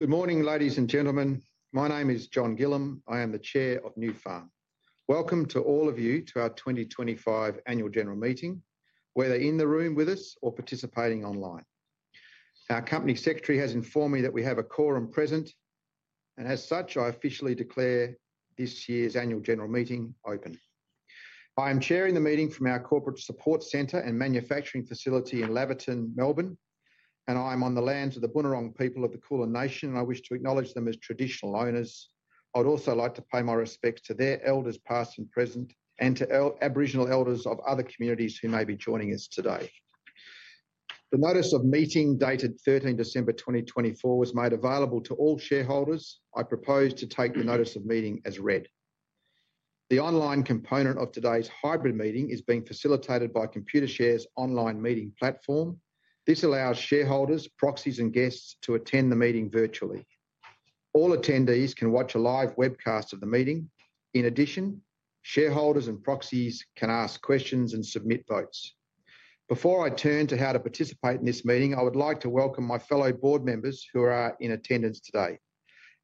Good morning, ladies and gentlemen. My name is John Gillam. I am the Chair of Nufarm. Welcome to all of you to our 2025 Annual General Meeting, whether in the room with us or participating online. Our Company Secretary has informed me that we have a quorum present, and as such, I officially declare this year's Annual General Meeting open. I am chairing the meeting from our Corporate Support Centre and Manufacturing Facility in Laverton, Melbourne, and I am on the lands of the Bunurong people of the Kulin Nation, and I wish to acknowledge them as traditional owners. I would also like to pay my respects to their elders, past and present, and to Aboriginal elders of other communities who may be joining us today. The notice of meeting dated 13 December 2024 was made available to all shareholders. I propose to take the notice of meeting as read. The online component of today's hybrid meeting is being facilitated by Computershare's online meeting platform. This allows shareholders, proxies, and guests to attend the meeting virtually. All attendees can watch a live webcast of the meeting. In addition, shareholders and proxies can ask questions and submit votes. Before I turn to how to participate in this meeting, I would like to welcome my fellow board members who are in attendance today.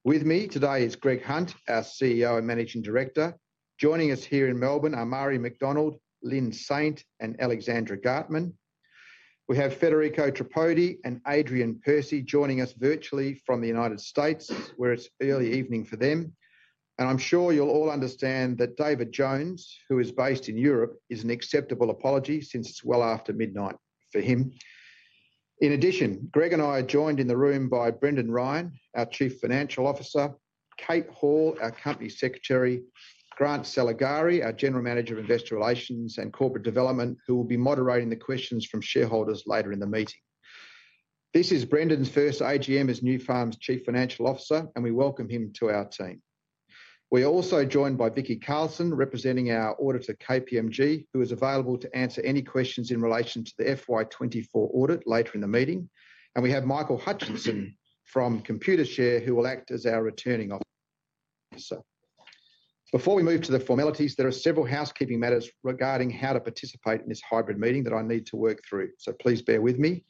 With me today is Greg Hunt, our CEO and Managing Director. Joining us here in Melbourne are Marie McDonald, Lynne Saint, and Alexandra Gartmann. We have Federico Tripodi and Adrian Percy joining us virtually from the United States, where it's early evening for them. I'm sure you'll all understand that David Jones, who is based in Europe, is an acceptable apology since it's well after midnight for him. In addition, Greg and I are joined in the room by Brendan Ryan, our Chief Financial Officer, Kate Hall, our Company Secretary, Grant Saligari, our General Manager of Investor Relations and Corporate Development, who will be moderating the questions from shareholders later in the meeting. This is Brendan's first AGM as Nufarm's Chief Financial Officer, and we welcome him to our team. We are also joined by Vicki Carlson, representing our auditor, KPMG, who is available to answer any questions in relation to the FY24 audit later in the meeting, and we have Michael Hutchison from Computershare, who will act as our returning officer. Before we move to the formalities, there are several housekeeping matters regarding how to participate in this hybrid meeting that I need to work through, so please bear with me.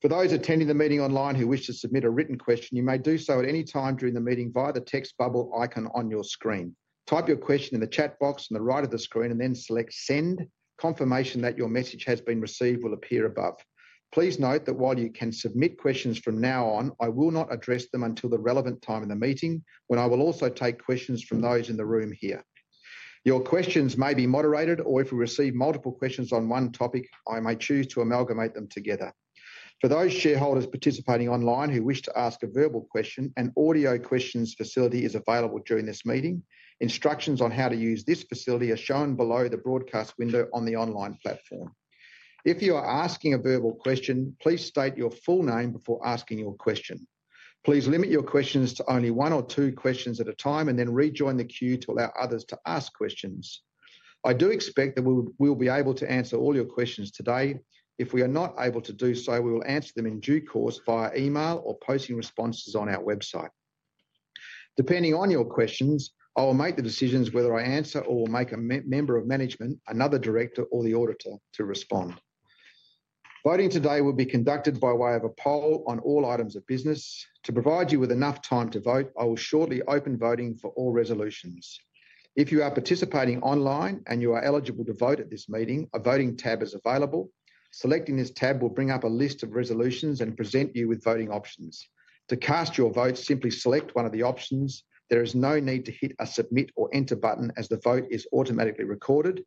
For those attending the meeting online who wish to submit a written question, you may do so at any time during the meeting via the text bubble icon on your screen. Type your question in the chat box on the right of the screen and then select Send. Confirmation that your message has been received will appear above. Please note that while you can submit questions from now on, I will not address them until the relevant time in the meeting, when I will also take questions from those in the room here. Your questions may be moderated, or if we receive multiple questions on one topic, I may choose to amalgamate them together. For those shareholders participating online who wish to ask a verbal question, an audio questions facility is available during this meeting. Instructions on how to use this facility are shown below the broadcast window on the online platform. If you are asking a verbal question, please state your full name before asking your question. Please limit your questions to only one or two questions at a time and then rejoin the queue to allow others to ask questions. I do expect that we will be able to answer all your questions today. If we are not able to do so, we will answer them in due course via email or posting responses on our website. Depending on your questions, I will make the decisions whether I answer or will make a member of management, another director, or the auditor to respond. Voting today will be conducted by way of a poll on all items of business. To provide you with enough time to vote, I will shortly open voting for all resolutions. If you are participating online and you are eligible to vote at this meeting, a voting tab is available. Selecting this tab will bring up a list of resolutions and present you with voting options. To cast your vote, simply select one of the options. There is no need to hit a Submit or Enter button as the vote is automatically recorded.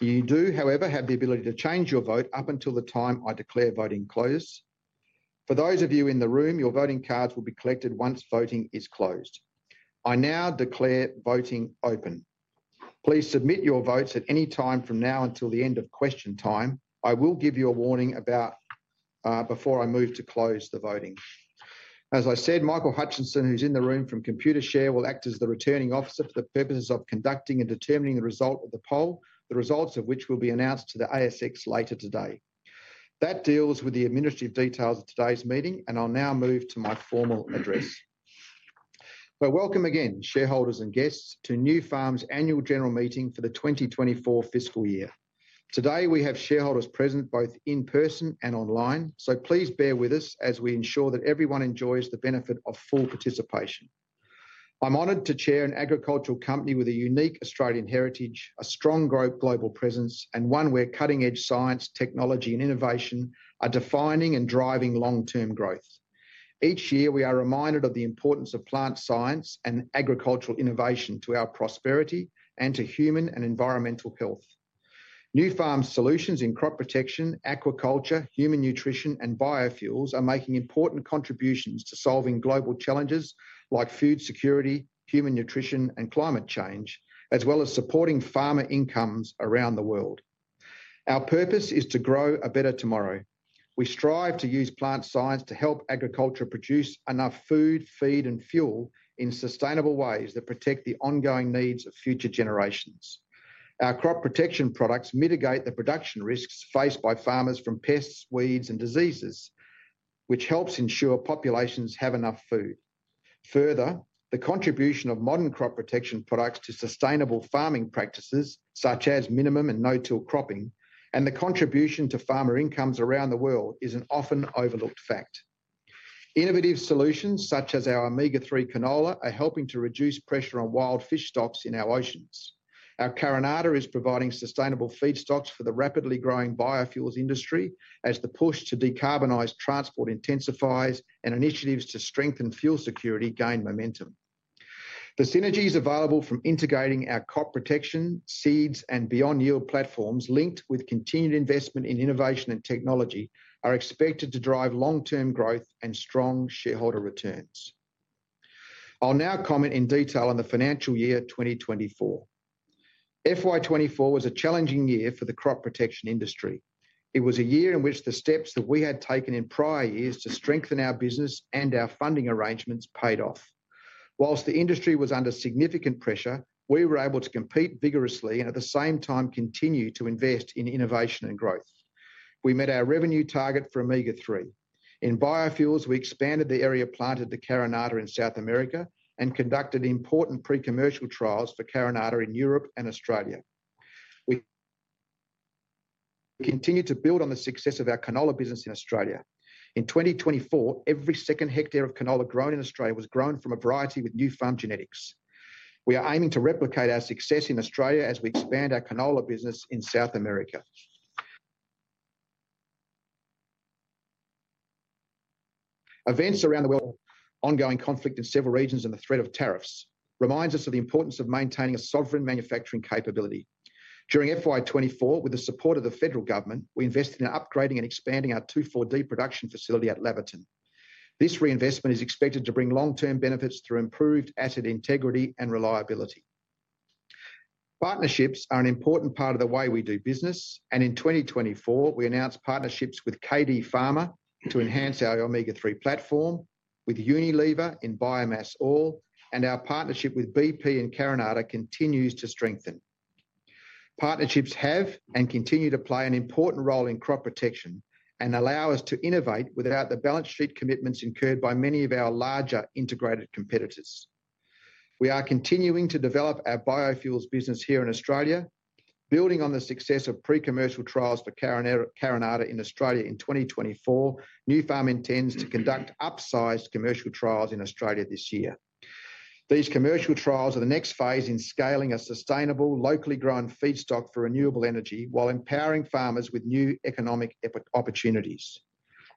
You do, however, have the ability to change your vote up until the time I declare voting closed. For those of you in the room, your voting cards will be collected once voting is closed. I now declare voting open. Please submit your votes at any time from now until the end of question time. I will give you a warning before I move to close the voting. As I said, Michael Hutchinson, who's in the room from Computershare, will act as the returning officer for the purposes of conducting and determining the result of the poll, the results of which will be announced to the ASX later today. That deals with the administrative details of today's meeting, and I'll now move to my formal address. Welcome again, shareholders and guests, to Nufarm's Annual General Meeting for the 2024 fiscal year. Today, we have shareholders present both in person and online, so please bear with us as we ensure that everyone enjoys the benefit of full participation. I'm honored to chair an agricultural company with a unique Australian heritage, a strong global presence, and one where cutting-edge science, technology, and innovation are defining and driving long-term growth. Each year, we are reminded of the importance of plant science and agricultural innovation to our prosperity and to human and environmental health. Nufarm's solutions in crop protection, aquaculture, human nutrition, and biofuels are making important contributions to solving global challenges like food security, human nutrition, and climate change, as well as supporting farmer incomes around the world. Our purpose is to grow a better tomorrow. We strive to use plant science to help agriculture produce enough food, feed, and fuel in sustainable ways that protect the ongoing needs of future generations. Our crop protection products mitigate the production risks faced by farmers from pests, weeds, and diseases, which helps ensure populations have enough food. Further, the contribution of modern crop protection products to sustainable farming practices, such as minimum and no-till cropping, and the contribution to farmer incomes around the world is an often overlooked fact. Innovative solutions such as our Omega-3 canola are helping to reduce pressure on wild fish stocks in our oceans. Our Carinata is providing sustainable feedstocks for the rapidly growing biofuels industry as the push to decarbonize transport intensifies and initiatives to strengthen fuel security gain momentum. The synergies available from integrating our crop protection, seeds, and beyond-yield platforms linked with continued investment in innovation and technology are expected to drive long-term growth and strong shareholder returns. I'll now comment in detail on the financial year 2024. FY24 was a challenging year for the crop protection industry. It was a year in which the steps that we had taken in prior years to strengthen our business and our funding arrangements paid off. While the industry was under significant pressure, we were able to compete vigorously and at the same time continue to invest in innovation and growth. We met our revenue target for Omega-3. In biofuels, we expanded the area planted to Carinata in South America and conducted important pre-commercial trials for Carinata in Europe and Australia. We continue to build on the success of our canola business in Australia. In 2024, every second hectare of canola grown in Australia was grown from a variety with Nufarm genetics. We are aiming to replicate our success in Australia as we expand our canola business in South America. Events around the world, ongoing conflict in several regions, and the threat of tariffs remind us of the importance of maintaining a sovereign manufacturing capability. During FY24, with the support of the federal government, we invested in upgrading and expanding our 2,4-D production facility at Laverton. This reinvestment is expected to bring long-term benefits through improved asset integrity and reliability. Partnerships are an important part of the way we do business, and in 2024, we announced partnerships with KD Pharma to enhance our Omega-3 platform with Unilever in biomass oil, and our partnership with BP and Carinata continues to strengthen. Partnerships have and continue to play an important role in crop protection and allow us to innovate without the balance sheet commitments incurred by many of our larger integrated competitors. We are continuing to develop our biofuels business here in Australia. Building on the success of pre-commercial trials for Carinata in Australia in 2024, Nufarm intends to conduct upsized commercial trials in Australia this year. These commercial trials are the next phase in scaling a sustainable, locally grown feedstock for renewable energy while empowering farmers with new economic opportunities.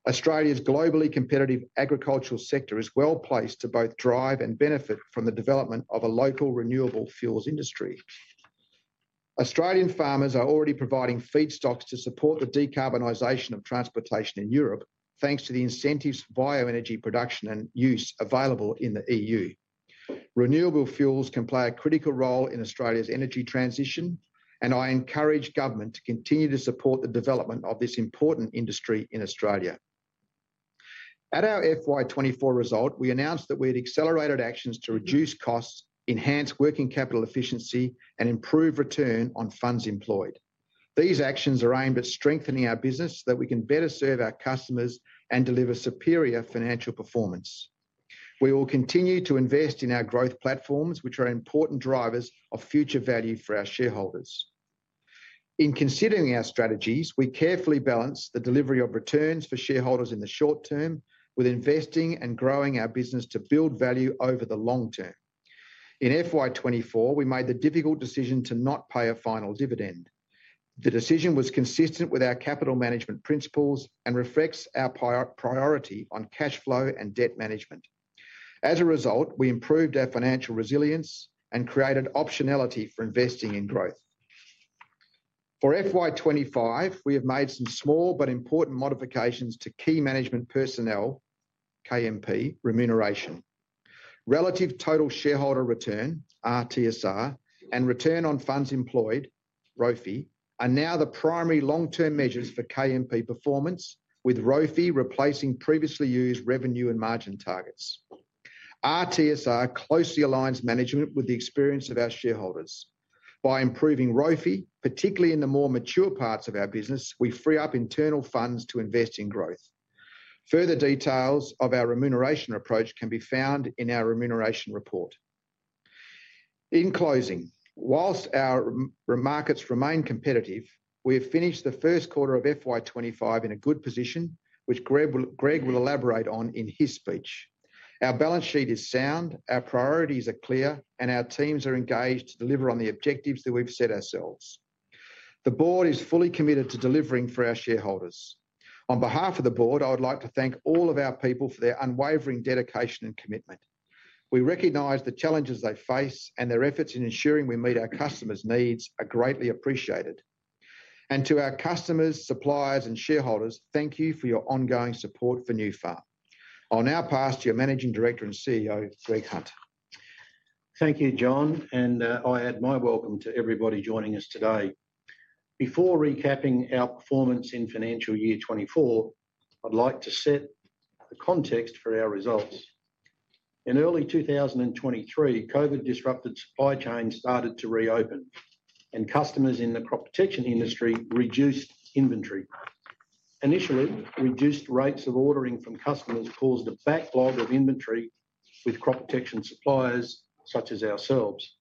Australia's globally competitive agricultural sector is well placed to both drive and benefit from the development of a local renewable fuels industry. Australian farmers are already providing feedstocks to support the decarbonization of transportation in Europe, thanks to the incentives for bioenergy production and use available in the EU. Renewable fuels can play a critical role in Australia's energy transition, and I encourage government to continue to support the development of this important industry in Australia. At our FY24 result, we announced that we had accelerated actions to reduce costs, enhance working capital efficiency, and improve return on funds employed. These actions are aimed at strengthening our business so that we can better serve our customers and deliver superior financial performance. We will continue to invest in our growth platforms, which are important drivers of future value for our shareholders. In considering our strategies, we carefully balanced the delivery of returns for shareholders in the short term with investing and growing our business to build value over the long term. In FY24, we made the difficult decision to not pay a final dividend. The decision was consistent with our capital management principles and reflects our priority on cash flow and debt management. As a result, we improved our financial resilience and created optionality for investing in growth. For FY25, we have made some small but important modifications to key management personnel, KMP, remuneration. Relative Total Shareholder Return, RTSR, and Return on Funds Employed, ROFE, are now the primary long-term measures for KMP performance, with ROFE replacing previously used revenue and margin targets. RTSR closely aligns management with the experience of our shareholders. By improving ROFE, particularly in the more mature parts of our business, we free up internal funds to invest in growth. Further details of our remuneration approach can be found in our remuneration report. In closing, while our markets remain competitive, we have finished the first quarter of FY25 in a good position, which Greg will elaborate on in his speech. Our balance sheet is sound, our priorities are clear, and our teams are engaged to deliver on the objectives that we've set ourselves. The board is fully committed to delivering for our shareholders. On behalf of the board, I would like to thank all of our people for their unwavering dedication and commitment. We recognize the challenges they face, and their efforts in ensuring we meet our customers' needs are greatly appreciated. And to our customers, suppliers, and shareholders, thank you for your ongoing support for Nufarm. I'll now pass to your Managing Director and CEO, Greg Hunt. Thank you, John, and I add my welcome to everybody joining us today. Before recapping our performance in financial year 24, I'd like to set the context for our results. In early 2023, COVID-disrupted supply chains started to reopen, and customers in the crop protection industry reduced inventory. Initially, reduced rates of ordering from customers caused a backlog of inventory with crop protection suppliers such as ourselves.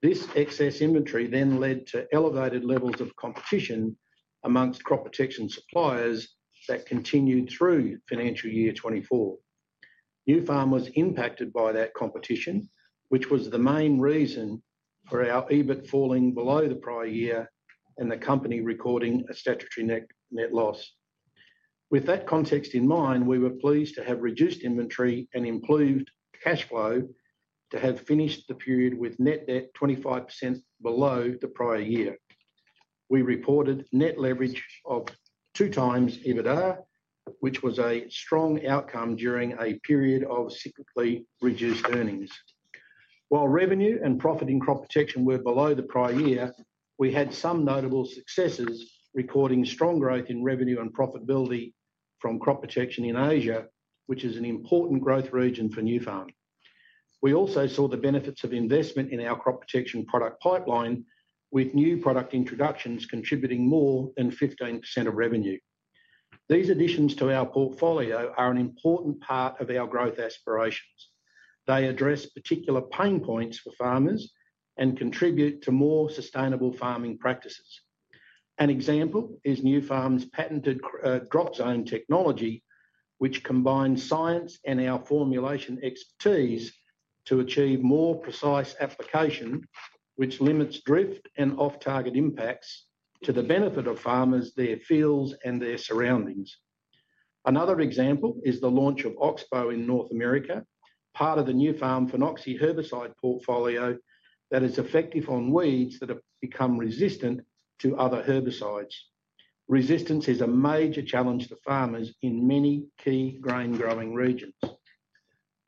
This excess inventory then led to elevated levels of competition among crop protection suppliers that continued through financial year 24. Nufarm was impacted by that competition, which was the main reason for our EBIT falling below the prior year and the company recording a statutory net loss. With that context in mind, we were pleased to have reduced inventory and improved cash flow to have finished the period with net debt 25% below the prior year. We reported net leverage of two times EBITDA, which was a strong outcome during a period of cyclically reduced earnings. While revenue and profit in crop protection were below the prior year, we had some notable successes recording strong growth in revenue and profitability from crop protection in Asia, which is an important growth region for Nufarm. We also saw the benefits of investment in our crop protection product pipeline, with new product introductions contributing more than 15% of revenue. These additions to our portfolio are an important part of our growth aspirations. They address particular pain points for farmers and contribute to more sustainable farming practices. An example is Nufarm's patented DropZone technology, which combines science and our formulation expertise to achieve more precise application, which limits drift and off-target impacts to the benefit of farmers, their fields, and their surroundings. Another example is the launch of Oxbow in North America, part of the Nufarm Phenoxy herbicide portfolio that is effective on weeds that have become resistant to other herbicides. Resistance is a major challenge to farmers in many key grain-growing regions.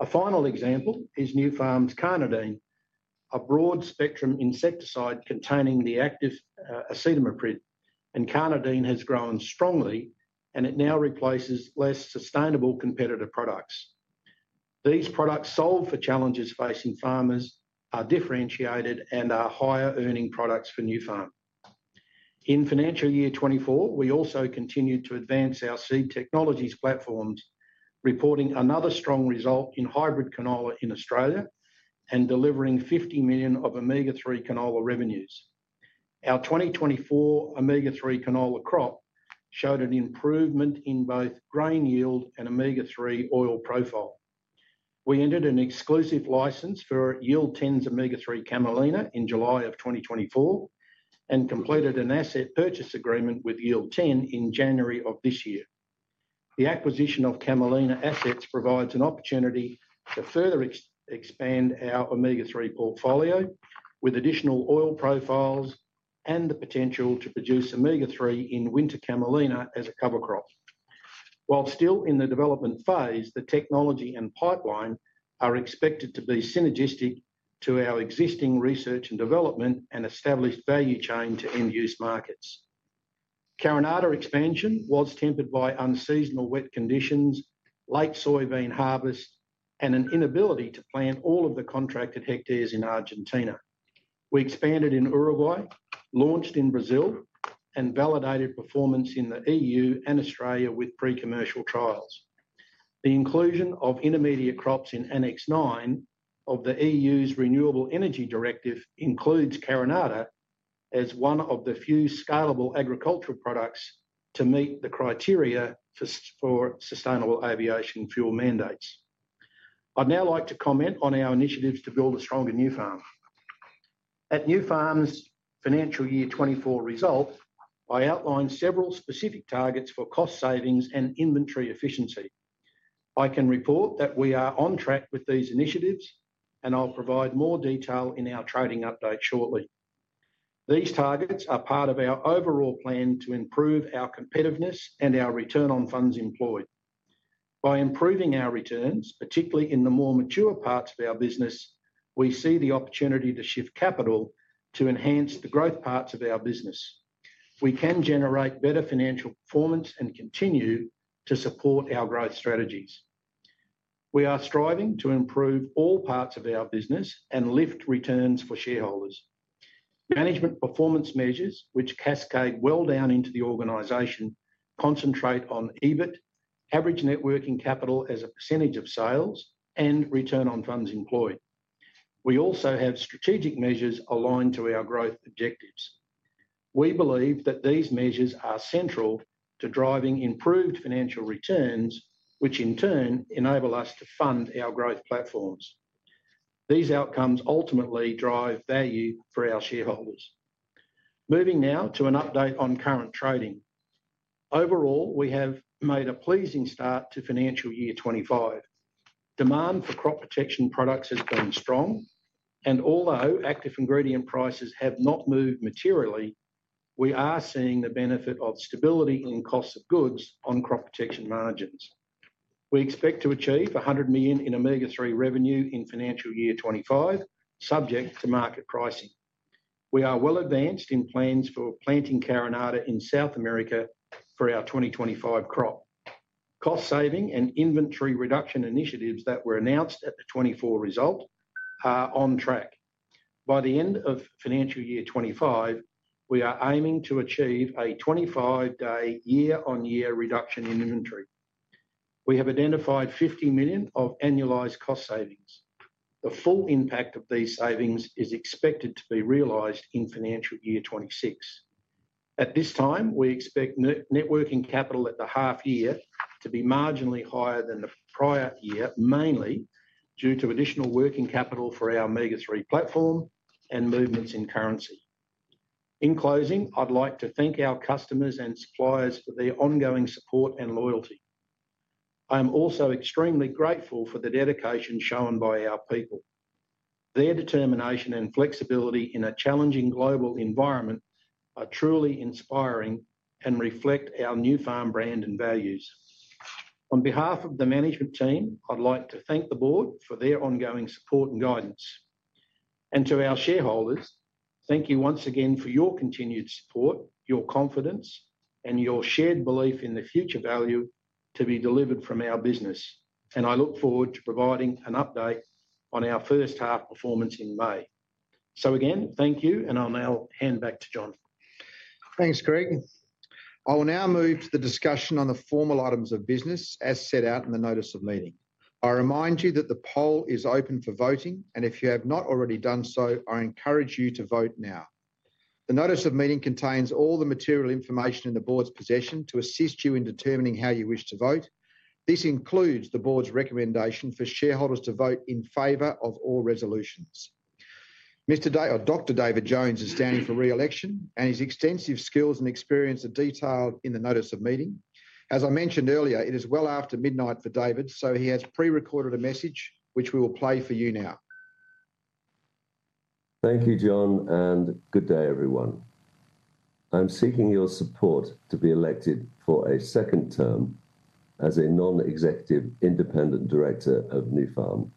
A final example is Nufarm's Carnadine, a broad-spectrum insecticide containing the active acetamiprid. And Carnadine has grown strongly, and it now replaces less sustainable competitor products. These products solve for challenges facing farmers, are differentiated, and are higher-earning products for Nufarm. In financial year 2024, we also continued to advance our seed technologies platforms, reporting another strong result in hybrid canola in Australia and delivering 50 million of Omega-3 canola revenues. Our 2024 Omega-3 canola crop showed an improvement in both grain yield and Omega-3 oil profile. We entered an exclusive license for Yield10's Omega-3 Camelina in July of 2024 and completed an asset purchase agreement with Yield10 in January of this year. The acquisition of Camelina assets provides an opportunity to further expand our Omega-3 portfolio with additional oil profiles and the potential to produce Omega-3 in winter Camelina as a cover crop. While still in the development phase, the technology and pipeline are expected to be synergistic to our existing research and development and established value chain to end-use markets. Carinata expansion was tempered by unseasonal wet conditions, late soybean harvest, and an inability to plant all of the contracted hectares in Argentina. We expanded in Uruguay, launched in Brazil, and validated performance in the EU and Australia with pre-commercial trials. The inclusion of intermediate crops in Annex 9 of the EU's Renewable Energy Directive includes Carinata as one of the few scalable agricultural products to meet the criteria for sustainable aviation fuel mandates. I'd now like to comment on our initiatives to build a stronger Nufarm. At Nufarm's financial year 2024 result, I outlined several specific targets for cost savings and inventory efficiency. I can report that we are on track with these initiatives, and I'll provide more detail in our trading update shortly. These targets are part of our overall plan to improve our competitiveness and our return on funds employed. By improving our returns, particularly in the more mature parts of our business, we see the opportunity to shift capital to enhance the growth parts of our business. We can generate better financial performance and continue to support our growth strategies. We are striving to improve all parts of our business and lift returns for shareholders. Management performance measures, which cascade well down into the organization, concentrate on EBIT, average net working capital as a percentage of sales, and return on funds employed. We also have strategic measures aligned to our growth objectives. We believe that these measures are central to driving improved financial returns, which in turn enable us to fund our growth platforms. These outcomes ultimately drive value for our shareholders. Moving now to an update on current trading. Overall, we have made a pleasing start to financial year 2025. Demand for crop protection products has been strong, and although active ingredient prices have not moved materially, we are seeing the benefit of stability in costs of goods on crop protection margins. We expect to achieve 100 million in Omega-3 revenue in financial year 2025, subject to market pricing. We are well advanced in plans for planting Carinata in South America for our 2025 crop. Cost saving and inventory reduction initiatives that were announced at the 2024 results are on track. By the end of financial year 2025, we are aiming to achieve a 25-day year-on-year reduction in inventory. We have identified 50 million of annualized cost savings. The full impact of these savings is expected to be realized in financial year 2026. At this time, we expect net working capital at the half year to be marginally higher than the prior year, mainly due to additional working capital for our Omega-3 platform and movements in currency. In closing, I'd like to thank our customers and suppliers for their ongoing support and loyalty. I am also extremely grateful for the dedication shown by our people. Their determination and flexibility in a challenging global environment are truly inspiring and reflect our Nufarm brand and values. On behalf of the management team, I'd like to thank the board for their ongoing support and guidance. And to our shareholders, thank you once again for your continued support, your confidence, and your shared belief in the future value to be delivered from our business. And I look forward to providing an update on our first half performance in May. So again, thank you, and I'll now hand back to John. Thanks, Greg. I will now move to the discussion on the formal items of business as set out in the notice of meeting. I remind you that the poll is open for voting, and if you have not already done so, I encourage you to vote now. The notice of meeting contains all the material information in the board's possession to assist you in determining how you wish to vote. This includes the board's recommendation for shareholders to vote in favor of all resolutions. Mr. David Jones is standing for reelection, and his extensive skills and experience are detailed in the notice of meeting. As I mentioned earlier, it is well after midnight for David, so he has pre-recorded a message, which we will play for you now. Thank you, John, and good day, everyone. I'm seeking your support to be elected for a second term as a non-executive independent director of Nufarm.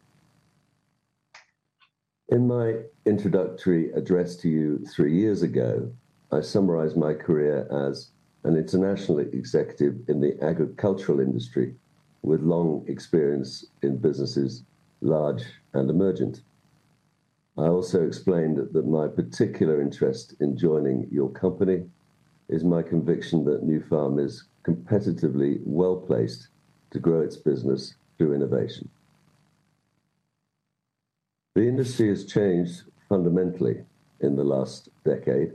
In my introductory address to you three years ago, I summarized my career as an international executive in the agricultural industry with long experience in businesses large and emergent. I also explained that my particular interest in joining your company is my conviction that Nufarm is competitively well-placed to grow its business through innovation. The industry has changed fundamentally in the last decade.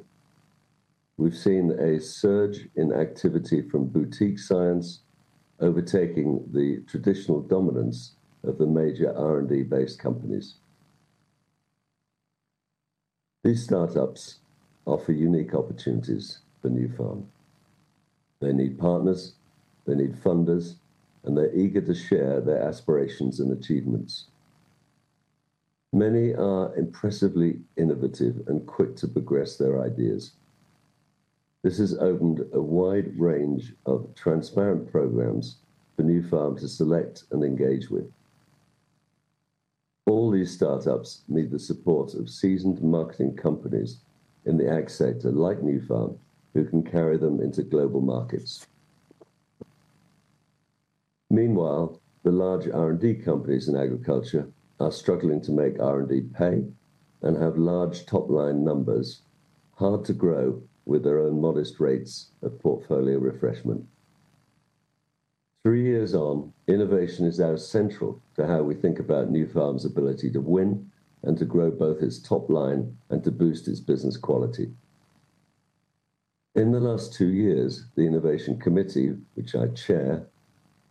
We've seen a surge in activity from boutique science overtaking the traditional dominance of the major R&D-based companies. These startups offer unique opportunities for Nufarm. They need partners, they need funders, and they're eager to share their aspirations and achievements. Many are impressively innovative and quick to progress their ideas. This has opened a wide range of transparent programs for Nufarm to select and engage with. All these startups need the support of seasoned marketing companies in the ag sector like Nufarm who can carry them into global markets. Meanwhile, the large R&D companies in agriculture are struggling to make R&D pay and have large top-line numbers, hard to grow with their own modest rates of portfolio refreshment. Three years on, innovation is now central to how we think about Nufarm's ability to win and to grow both its top line and to boost its business quality. In the last two years, the Innovation Committee, which I chair,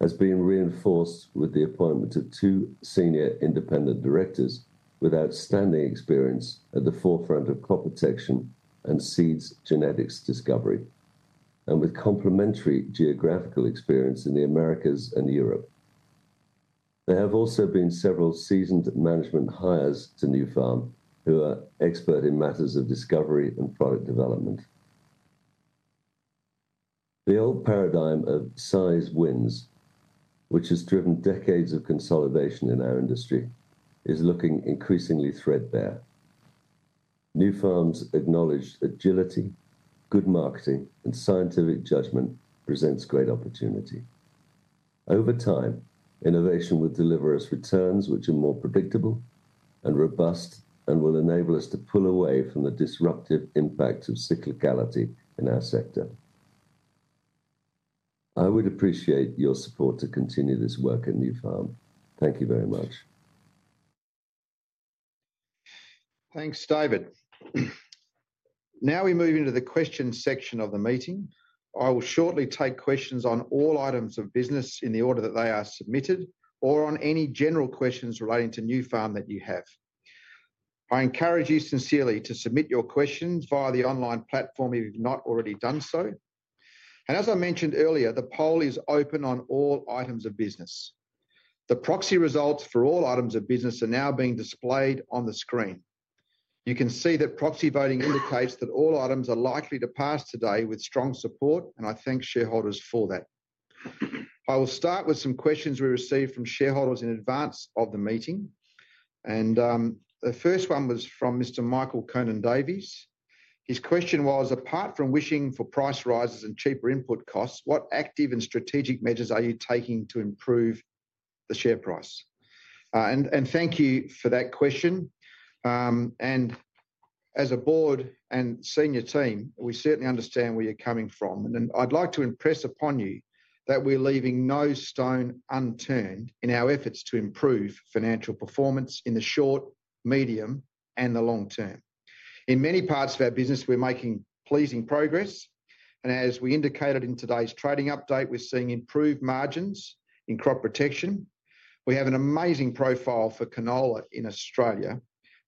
has been reinforced with the appointment of two senior independent directors with outstanding experience at the forefront of crop protection and seeds genetics discovery, and with complementary geographical experience in the Americas and Europe. There have also been several seasoned management hires to Nufarm who are expert in matters of discovery and product development. The old paradigm of size wins, which has driven decades of consolidation in our industry, is looking increasingly threadbare. Nufarm's acknowledged agility, good marketing, and scientific judgment presents great opportunity. Over time, innovation will deliver us returns which are more predictable and robust and will enable us to pull away from the disruptive impacts of cyclicality in our sector. I would appreciate your support to continue this work at Nufarm. Thank you very much. Thanks, David. Now we move into the question section of the meeting. I will shortly take questions on all items of business in the order that they are submitted or on any general questions relating to Nufarm that you have. I encourage you sincerely to submit your questions via the online platform if you've not already done so. And as I mentioned earlier, the poll is open on all items of business. The proxy results for all items of business are now being displayed on the screen. You can see that proxy voting indicates that all items are likely to pass today with strong support, and I thank shareholders for that. I will start with some questions we received from shareholders in advance of the meeting. And the first one was from Mr. Michael Conan-Davies. His question was, apart from wishing for price rises and cheaper input costs, what active and strategic measures are you taking to improve the share price? And thank you for that question. And as a board and senior team, we certainly understand where you're coming from. And I'd like to impress upon you that we're leaving no stone unturned in our efforts to improve financial performance in the short, medium, and the long term. In many parts of our business, we're making pleasing progress. And as we indicated in today's trading update, we're seeing improved margins in crop protection. We have an amazing profile for canola in Australia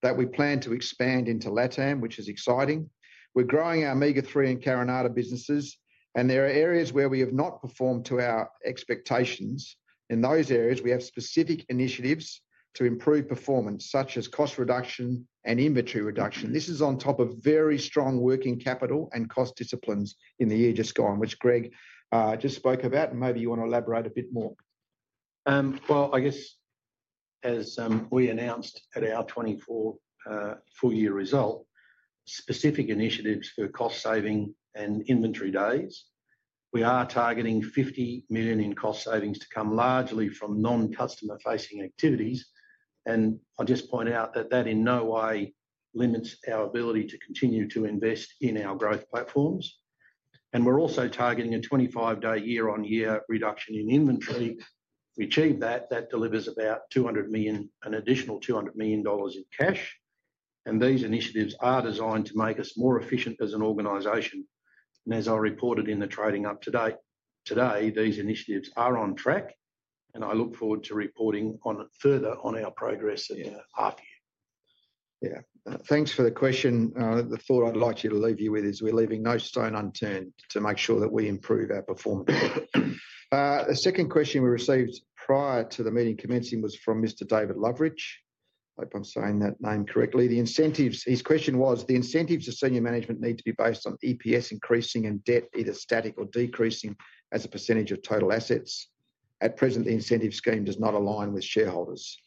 that we plan to expand into LATAM, which is exciting. We're growing our Omega-3 and Carinata businesses, and there are areas where we have not performed to our expectations. In those areas, we have specific initiatives to improve performance, such as cost reduction and inventory reduction. This is on top of very strong working capital and cost disciplines in the year just gone, which Greg just spoke about, and maybe you want to elaborate a bit more. Well, I guess, as we announced at our 2024 full-year result, specific initiatives for cost saving and inventory days. We are targeting 50 million in cost savings to come largely from non-customer-facing activities, and I'll just point out that that in no way limits our ability to continue to invest in our growth platforms, and we're also targeting a 25-day year-on-year reduction in inventory. We achieve that, that delivers about 200 million, an additional 200 million dollars in cash. And these initiatives are designed to make us more efficient as an organization. And as I reported in the Trading Update to date, today, these initiatives are on track, and I look forward to reporting further on our progress in half year. Yeah. Thanks for the question. The thought I'd like to leave you with is we're leaving no stone unturned to make sure that we improve our performance. The second question we received prior to the meeting commencing was from Mr. David Loveridge. I hope I'm saying that name correctly. The incentives, his question was, the incentives of senior management need to be based on EPS increasing and debt either static or decreasing as a percentage of total assets. At present, the incentive scheme does not align with shareholders.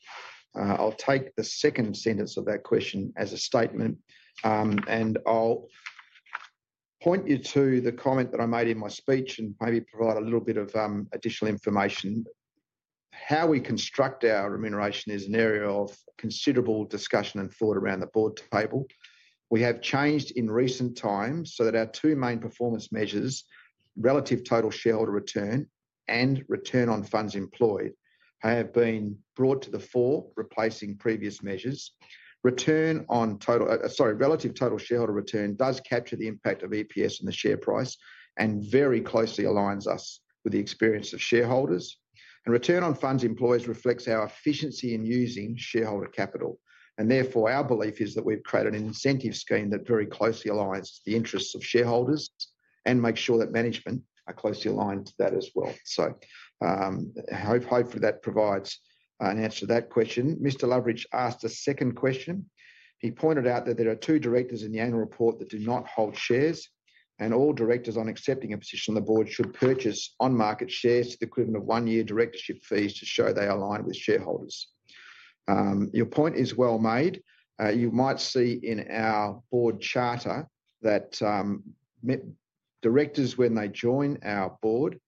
I'll take the second sentence of that question as a statement, and I'll point you to the comment that I made in my speech and maybe provide a little bit of additional information. How we construct our remuneration is an area of considerable discussion and thought around the board table. We have changed in recent time so that our two main performance measures, relative total shareholder return and return on funds employed, have been brought to the fore, replacing previous measures. Return on total, sorry, relative total shareholder return does capture the impact of EPS and the share price and very closely aligns us with the experience of shareholders. And return on funds employed reflects our efficiency in using shareholder capital. And therefore, our belief is that we've created an incentive scheme that very closely aligns the interests of shareholders and makes sure that management are closely aligned to that as well. So hopefully that provides an answer to that question. Mr. Loverich asked a second question. He pointed out that there are two directors in the annual report that do not hold shares, and all directors, on accepting a position on the board, should purchase on-market shares to the equivalent of one-year directorship fees to show they align with shareholders. Your point is well made. You might see in our board charter that directors, when they join our board,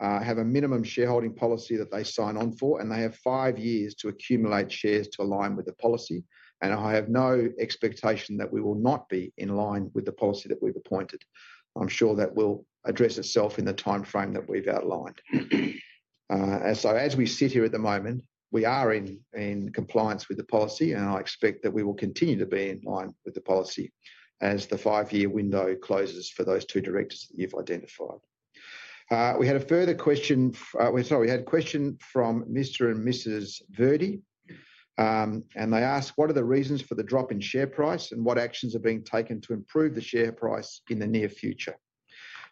have a minimum shareholding policy that they sign on for, and they have five years to accumulate shares to align with the policy. And I have no expectation that we will not be in line with the policy that we've appointed. I'm sure that will address itself in the timeframe that we've outlined. So as we sit here at the moment, we are in compliance with the policy, and I expect that we will continue to be in line with the policy as the five-year window closes for those two directors that you've identified. We had a further question, sorry, we had a question from Mr. and Mrs. Verdy, and they asked, what are the reasons for the drop in share price and what actions are being taken to improve the share price in the near future?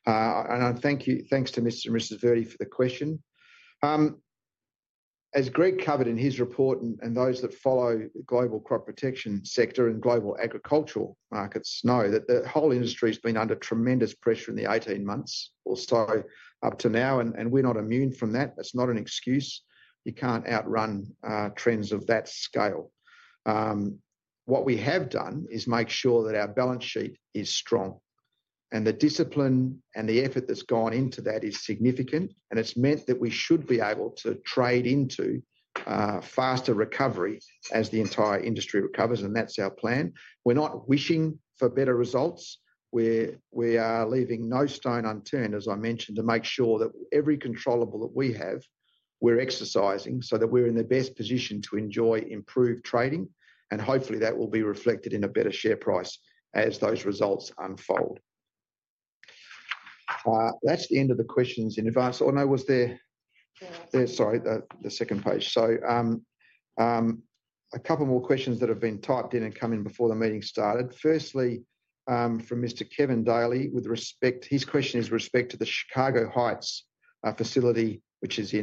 And thanks to Mr. and Mrs. Verdy for the question. As Greg covered in his report and those that follow the global crop protection sector and global agricultural markets know that the whole industry has been under tremendous pressure in the 18 months or so up to now, and we're not immune from that. It's not an excuse. You can't outrun trends of that scale. What we have done is make sure that our balance sheet is strong, and the discipline and the effort that's gone into that is significant, and it's meant that we should be able to trade into faster recovery as the entire industry recovers, and that's our plan. We're not wishing for better results. We are leaving no stone unturned, as I mentioned, to make sure that every controllable that we have, we're exercising so that we're in the best position to enjoy improved trading, and hopefully that will be reflected in a better share price as those results unfold. That's the end of the questions in advance. Oh, no, was there? Sorry, the second page. So a couple more questions that have been typed in and come in before the meeting started. Firstly, from Mr. Kevin Daley, with respect, his question is with respect to the Chicago Heights facility, which is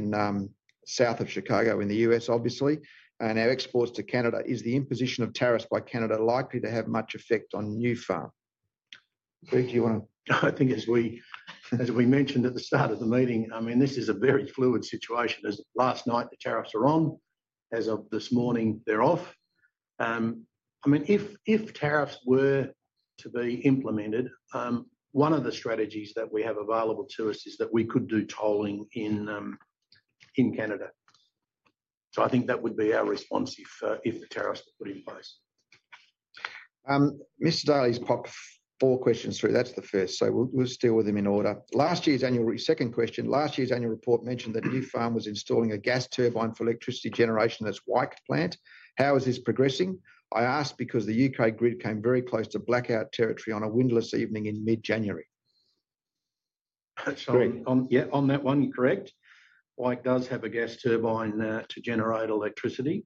south of Chicago in the U.S., obviously, and our exports to Canada. Is the imposition of tariffs by Canada likely to have much effect on Nufarm? Greg, do you want to? I think as we mentioned at the start of the meeting, I mean, this is a very fluid situation. As of last night, the tariffs are on. As of this morning, they're off. I mean, if tariffs were to be implemented, one of the strategies that we have available to us is that we could do tolling in Canada. So I think that would be our response if the tariffs were put in place. Mr. Daley's popped four questions through. That's the first. So we'll deal with him in order. Last year's annual report, second question. Last year's annual report mentioned that Nufarm was installing a gas turbine for electricity generation at its Wyke plant. How is this progressing? I ask because the U.K. grid came very close to blackout territory on a windless evening in mid-January. Yeah, on that one, correct. Wyke does have a gas turbine to generate electricity.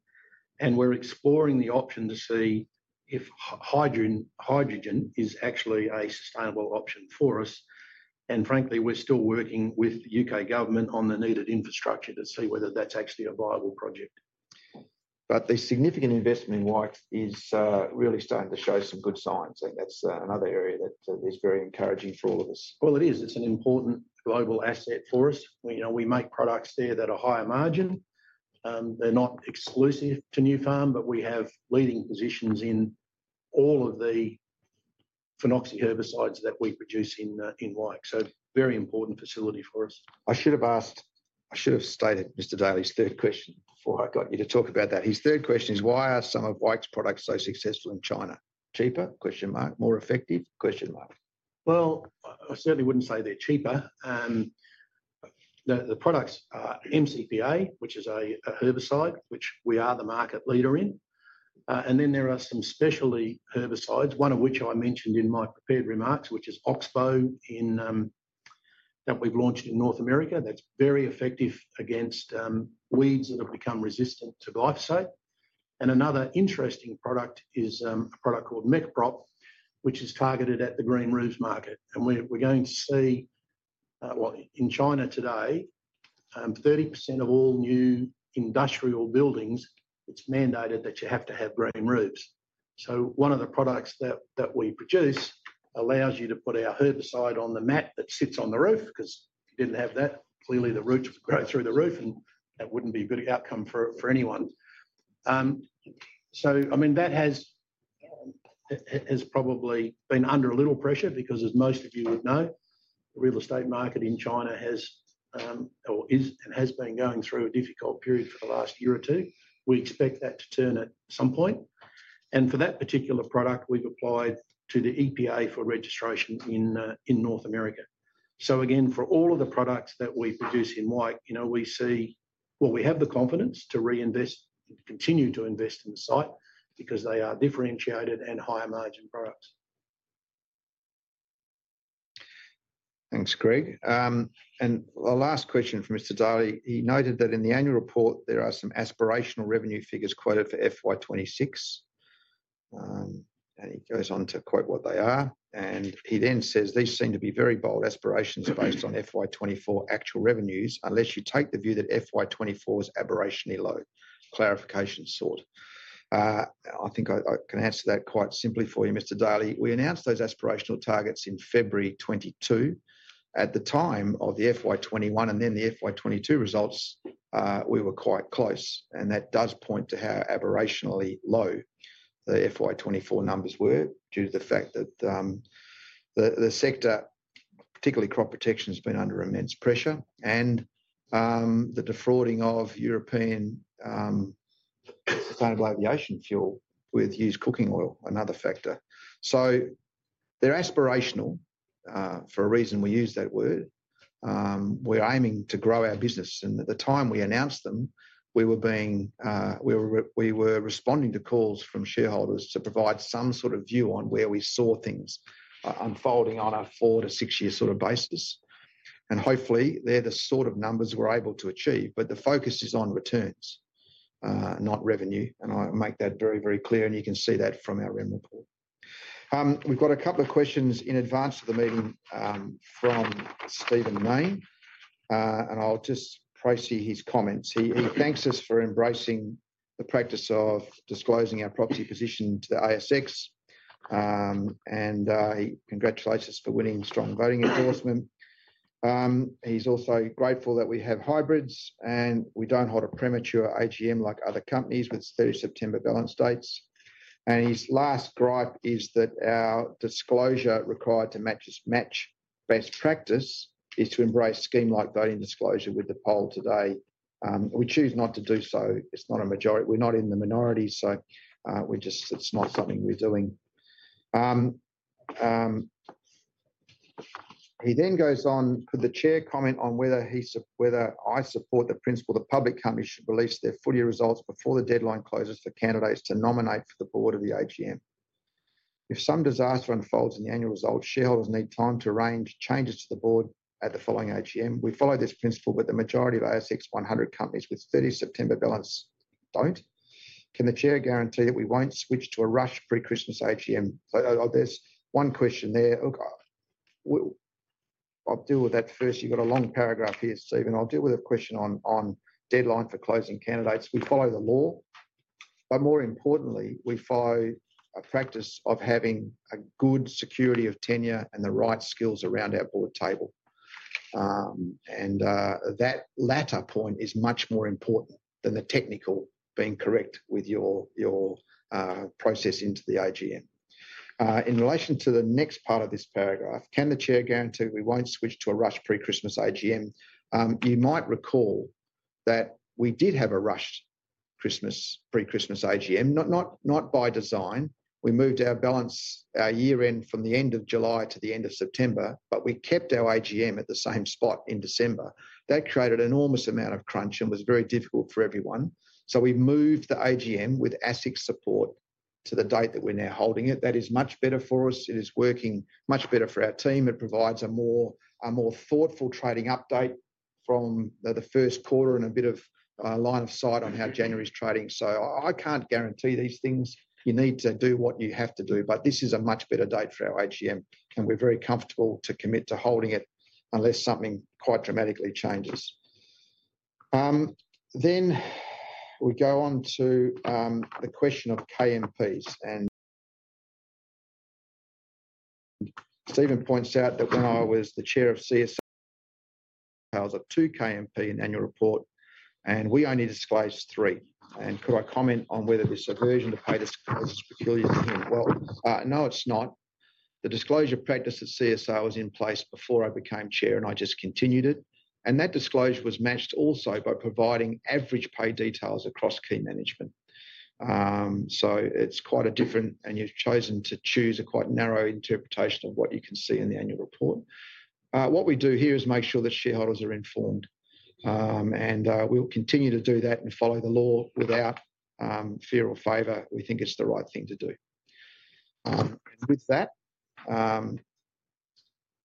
And we're exploring the option to see if hydrogen is actually a sustainable option for us. And frankly, we're still working with the U.K. government on the needed infrastructure to see whether that's actually a viable project. But the significant investment in Wyke is really starting to show some good signs. And that's another area that is very encouraging for all of us. Well, it is. It's an important global asset for us. We make products there that are higher margin. They're not exclusive to Nufarm, but we have leading positions in all of the phenoxy herbicides that we produce in Wyke. So very important facility for us. I should have asked. I should have stated Mr. Daley's third question before I got you to talk about that. His third question is, why are some of Wyke's products so successful in China? Cheaper? More effective? Well, I certainly wouldn't say they're cheaper. The products are MCPA, which is a herbicide, which we are the market leader in. And then there are some specialty herbicides, one of which I mentioned in my prepared remarks, which is Oxbow that we've launched in North America. That's very effective against weeds that have become resistant to glyphosate. And another interesting product is a product called Mecoprop, which is targeted at the green roofs market. We're going to see, well, in China today, 30% of all new industrial buildings. It's mandated that you have to have green roofs. So one of the products that we produce allows you to put our herbicide on the mat that sits on the roof because if you didn't have that, clearly the roots would grow through the roof, and that wouldn't be a good outcome for anyone. So, I mean, that has probably been under a little pressure because, as most of you would know, the real estate market in China has or is and has been going through a difficult period for the last year or two. We expect that to turn at some point. For that particular product, we've applied to the EPA for registration in North America. Again, for all of the products that we produce in Wyke, we see, well, we have the confidence to reinvest and continue to invest in the site because they are differentiated and higher margin products. Thanks, Greg. Our last question from Mr. Daley, he noted that in the annual report, there are some aspirational revenue figures quoted for FY26. And he goes on to quote what they are. And he then says, "These seem to be very bold aspirations based on FY24 actual revenues, unless you take the view that FY24 is aberrational low." Clarification sought. I think I can answer that quite simply for you, Mr. Daley. We announced those aspirational targets in February 2022. At the time of the FY21 and then the FY22 results, we were quite close. That does point to how aberrationally low the FY24 numbers were due to the fact that the sector, particularly crop protection, has been under immense pressure. The defrauding of European sustainable aviation fuel with used cooking oil, another factor. They're aspirational for a reason we use that word. We're aiming to grow our business. At the time we announced them, we were responding to calls from shareholders to provide some sort of view on where we saw things unfolding on a four to six-year sort of basis. Hopefully, they're the sort of numbers we're able to achieve. The focus is on returns, not revenue. I'll make that very, very clear. You can see that from our report. We've got a couple of questions in advance of the meeting from Stephen Mayne. I'll just praise his comments. He thanks us for embracing the practice of disclosing our proxy position to the ASX. And he congratulates us for winning strong voting endorsement. He's also grateful that we have hybrids and we don't hold a premature AGM like other companies with 30 September balance dates. And his last gripe is that our disclosure required to match best practice is to embrace scheme-like voting disclosure with the poll today. We choose not to do so. It's not a majority. We're not in the minority. So it's not something we're doing. He then goes on with the Chair's comment on whether I support the principle the public company should release their full year results before the deadline closes for candidates to nominate for the board of the AGM. If some disaster unfolds in the annual results, shareholders need time to arrange changes to the board at the following AGM. We follow this principle, but the majority of ASX 100 companies with 30 September balance don't. Can the chair guarantee that we won't switch to a rush pre-Christmas AGM? There's one question there. I'll deal with that first. You've got a long paragraph here, Stephen. I'll deal with a question on deadline for closing candidates. We follow the law. But more importantly, we follow a practice of having a good security of tenure and the right skills around our board table. And that latter point is much more important than the technical being correct with your process into the AGM. In relation to the next part of this paragraph, can the chair guarantee we won't switch to a rush pre-Christmas AGM? You might recall that we did have a rush pre-Christmas AGM, not by design. We moved our balance, our year-end from the end of July to the end of September, but we kept our AGM at the same spot in December. That created an enormous amount of crunch and was very difficult for everyone. So we moved the AGM with ASIC support to the date that we're now holding it. That is much better for us. It is working much better for our team. It provides a more thoughtful trading update from the first quarter and a bit of line of sight on how January's trading. So I can't guarantee these things. You need to do what you have to do. But this is a much better date for our AGM. And we're very comfortable to commit to holding it unless something quite dramatically changes. Then we go on to the question of KMPs. Stephen points out that when I was the chair of CSR, I was a non-KMP in annual report, and we only disclosed three. Could I comment on whether this aversion to pay disclosure is peculiar to him? No, it's not. The disclosure practice at CSR was in place before I became chair, and I just continued it. That disclosure was matched also by providing average pay details across key management. It's quite a different, and you've chosen to choose a quite narrow interpretation of what you can see in the annual report. What we do here is make sure that shareholders are informed. We'll continue to do that and follow the law without fear or favor. We think it's the right thing to do. With that,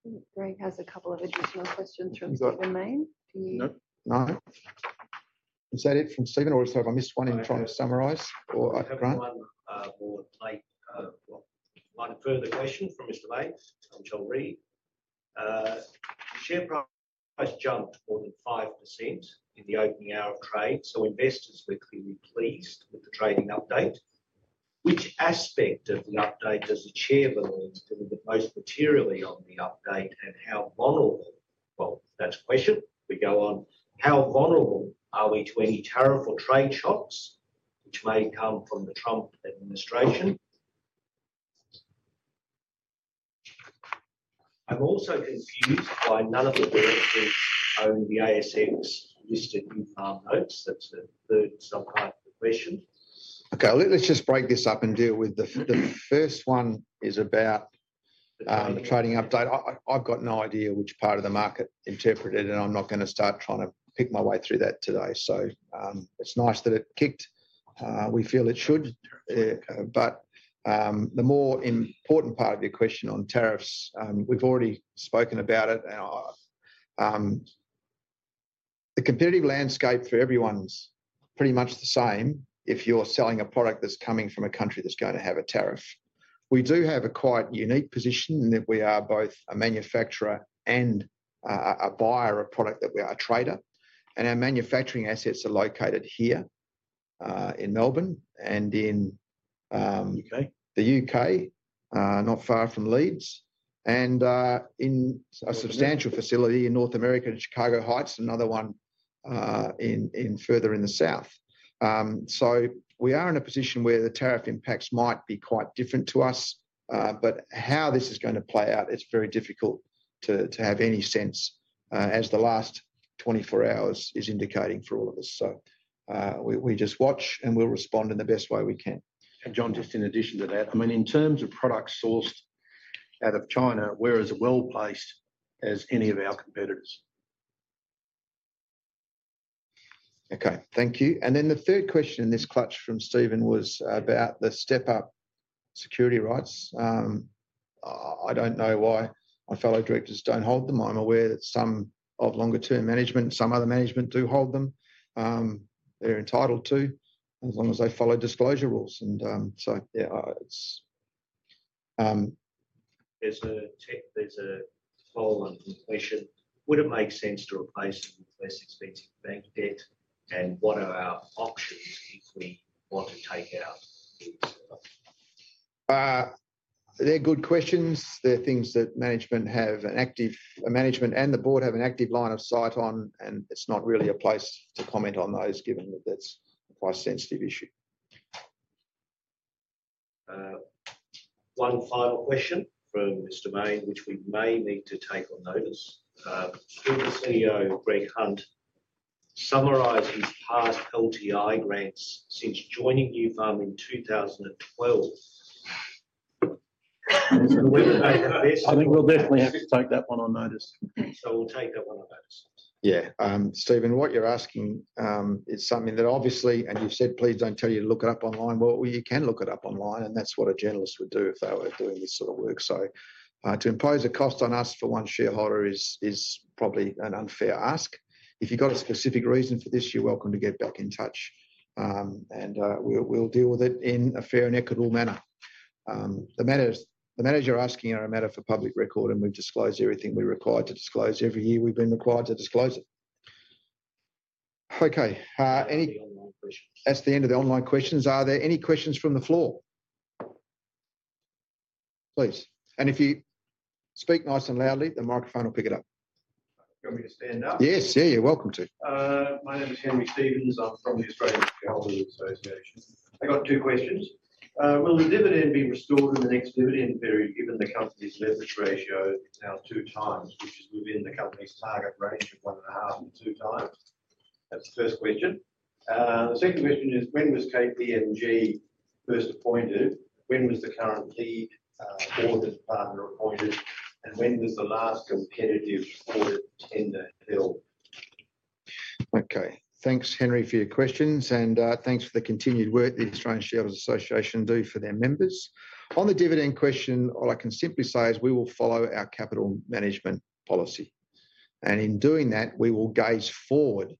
Greg has a couple of additional questions from Stephen Mayne. Nope. No. Is that it from Stephen? Or is there? I missed one in trying to summarise or I've run. I have one more late, well, one further question from Mr. Mayne, which I'll read. The share price jumped more than 5% in the opening hour of trade, so investors were clearly pleased with the trading update. Which aspect of the update does the chair believe delivered most materially on the update, and how vulnerable? Well, that's a question. We go on. How vulnerable are we to any tariff or trade shocks which may come from the Trump administration? I'm also confused by none of the board who own the ASX listed Nufarm notes. That's the third subtype of question. Okay. Let's just break this up and deal with the first one is about the trading update. I've got no idea which part of the market interpreted it, and I'm not going to start trying to pick my way through that today, so it's nice that it kicked. We feel it should, but the more important part of your question on tariffs, we've already spoken about it. The competitive landscape for everyone's pretty much the same if you're selling a product that's coming from a country that's going to have a tariff. We do have a quite unique position in that we are both a manufacturer and a buyer of product that we are a trader, and our manufacturing assets are located here in Melbourne and in the U.K., not far from Leeds, and in a substantial facility in North America in Chicago Heights, another one further in the south, so we are in a position where the tariff impacts might be quite different to us. How this is going to play out, it's very difficult to have any sense as the last 24 hours is indicating for all of us. So we just watch, and we'll respond in the best way we can. And John, just in addition to that, I mean, in terms of products sourced out of China, we're as well placed as any of our competitors. Okay. Thank you. And then the third question in this clutch from Stephen was about the step-up security rights. I don't know why my fellow directors don't hold them. I'm aware that some of longer-term management, some other management do hold them. They're entitled to as long as they follow disclosure rules. And so, yeah, it's. There's a toll on completion. Would it make sense to replace it with less expensive bank debt? And what are our options if we want to take out? They're good questions. They're things that management have an active management and the board have an active line of sight on. And it's not really a place to comment on those given that that's a quite sensitive issue. One final question from Mr. Mayne, which we may need to take on notice. Did the CEO, Greg Hunt, summarise his past LTI grants since joining Nufarm in 2012? I think we'll definitely have to take that one on notice. So we'll take that one on notice. Yeah. Stephen, what you're asking is something that obviously, and you've said, "Please don't tell you to look it up online." Well, you can look it up online. And that's what a journalist would do if they were doing this sort of work. So to impose a cost on us for one shareholder is probably an unfair ask. If you've got a specific reason for this, you're welcome to get back in touch. We'll deal with it in a fair and equitable manner. The matters you're asking are a matter for public record, and we've disclosed everything we're required to disclose. Every year, we've been required to disclose it. Okay. That's the end of the online questions. Are there any questions from the floor? Please. If you speak nice and loudly, the microphone will pick it up. You want me to stand up? Yes. Yeah. You're welcome to. My name is Henry Stephens. I'm from the Australian Shareholders' Association. I've got two questions. Will the dividend be restored in the next dividend period given the company's leverage ratio is now two times, which is within the company's target range of one and a half to two times? That's the first question. The second question is, when was KPMG first appointed? When was the current lead audit partner appointed? And when was the last competitive audit tender held? Okay. Thanks, Henry, for your questions. And thanks for the continued work the Australian Shareholders' Association do for their members. On the dividend question, all I can simply say is we will follow our capital management policy. And in doing that, we will gaze forward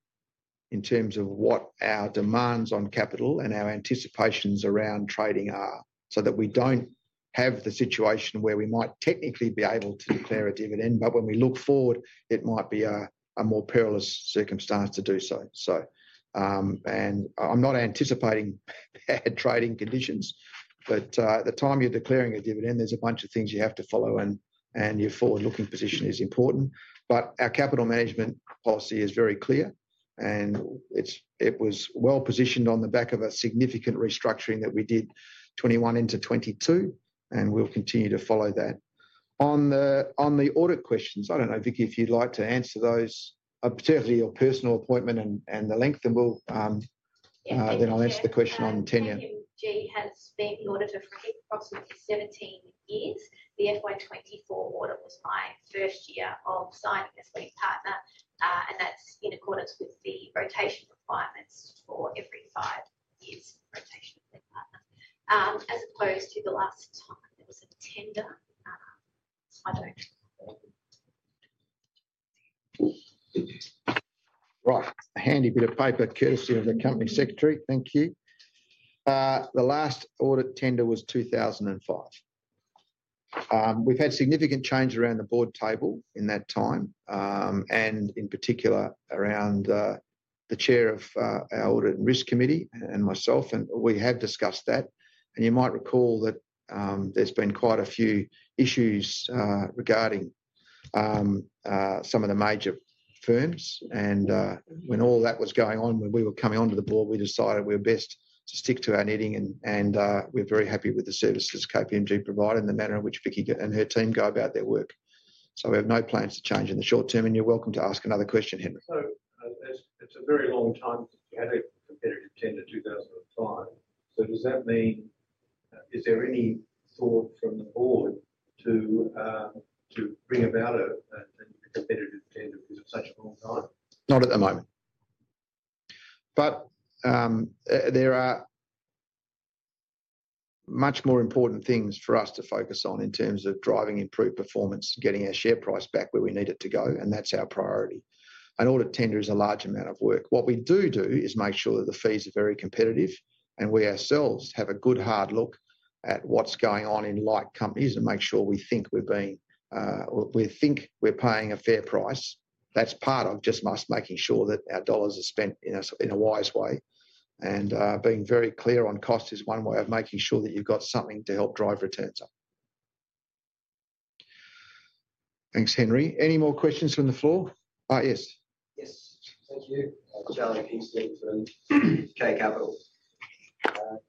in terms of what our demands on capital and our anticipations around trading are so that we don't have the situation where we might technically be able to declare a dividend, but when we look forward, it might be a more perilous circumstance to do so. And I'm not anticipating bad trading conditions. But at the time you're declaring a dividend, there's a bunch of things you have to follow. And your forward-looking position is important. Our capital management policy is very clear. And it was well positioned on the back of a significant restructuring that we did 2021 into 2022. And we'll continue to follow that. On the audit questions, I don't know, Vicki, if you'd like to answer those, particularly your personal appointment and the length, then I'll answer the question on tenure. I'm Vicki. I have been the auditor for approximately 17 years. The FY24 audit was my first year of signing as lead partner. And that's in accordance with the rotation requirements for every five years rotation of lead partner, as opposed Right. A handy bit of paper, courtesy of the company secretary. Thank you. The last audit tender was 2005. We've had significant change around the board table in that time, and in particular around the chair of our audit and risk committee and myself. And we have discussed that. And you might recall that there's been quite a few issues regarding some of the major firms. And when all that was going on, when we were coming onto the board, we decided we were best to stick to our knitting. And we're very happy with the services KPMG provided and the manner in which Vicki and her team go about their work. So we have no plans to change in the short term. And you're welcome to ask another question, Henry. So it's a very long time since we had a competitive tender, 2005. So does that mean is there any thought from the board to bring about a competitive tender because it's such a long time? Not at the moment. But there are much more important things for us to focus on in terms of driving improved performance, getting our share price back where we need it to go. And that's our priority. An audit tender is a large amount of work. What we do do is make sure that the fees are very competitive. And we ourselves have a good hard look at what's going on in like companies and make sure we think we're paying a fair price. That's part of just us making sure that our dollars are spent in a wise way. And being very clear on cost is one way of making sure that you've got something to help drive returns up. Thanks, Henry. Any more questions from the floor? Yes. Yes. Thank you. Charlie Kingston from K Capital.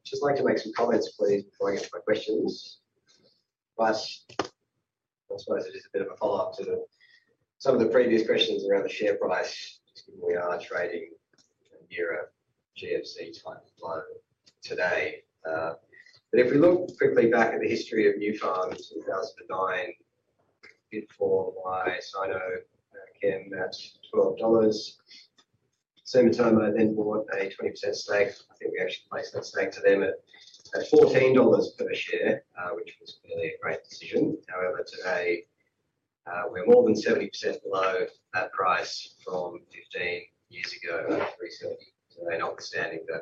Just like to make some comments, please, before I get to my questions. I suppose it is a bit of a follow-up to some of the previous questions around the share price. We are trading in a near GFC-type low today. If we look quickly back at the history of Nufarm in 2009, it was bought by Sinochem at AUD 12. Sumitomo then bought a 20% stake. I think we actually placed that stake to them at 14 dollars per share, which was clearly a great decision. However, today, we're more than 70% below that price from 15 years ago at 3.70, notwithstanding the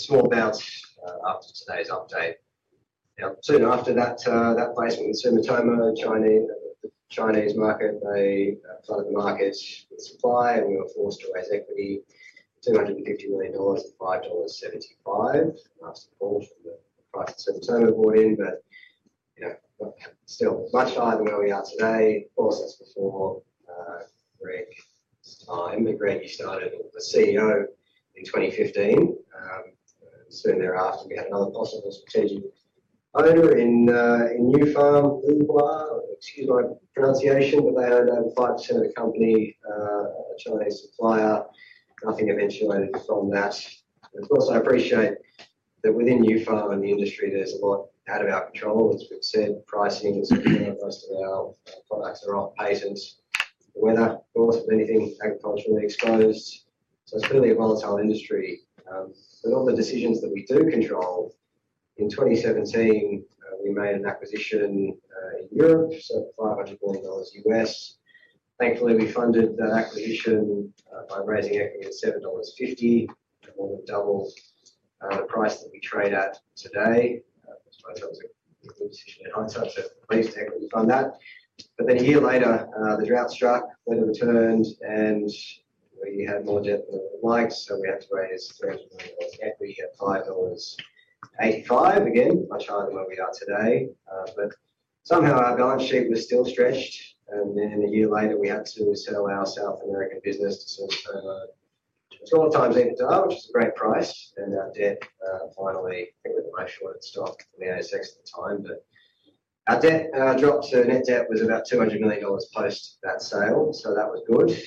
small bounce after today's update. Now, soon after that placement with Sumitomo, the Chinese market, they flooded the market with supply. And we were forced to raise equity 250 million dollars at AUD 5.75 after the fall from the price that Sumitomo bought in. But still much higher than where we are today. Of course, that's before Greg's time. Greg, you started as the CEO in 2015. Soon thereafter, we had another possible strategic owner in Nufarm, Liwah. Excuse my pronunciation. But they owned over 5% of the company, a Chinese supplier. Nothing eventuated from that. Of course, I appreciate that within Nufarm and the industry, there's a lot out of our control. As we've said, pricing and most of our products are off patents, the weather, of course, with anything agriculturally exposed. So it's clearly a volatile industry. But all the decisions that we do control, in 2017, we made an acquisition in Europe, so $500 million USD. Thankfully, we funded that acquisition by raising equity at AUD 7.50. It more than doubled the price that we trade at today. I suppose that was a good decision in hindsight. So at least equity funded that. But then a year later, the drought struck, wet weather returned, and we had more debt than we would have liked. So we had to raise AUD 300 million in equity at 5.85 dollars, again, much higher than where we are today. But somehow, our balance sheet was still stretched. And then a year later, we had to sell our South American business for over 12 times EBITDA, which was a great price. And our debt finally, I think we were the most shorted stock in the ASX at the time. But our net debt was about 200 million dollars post that sale. So that was good.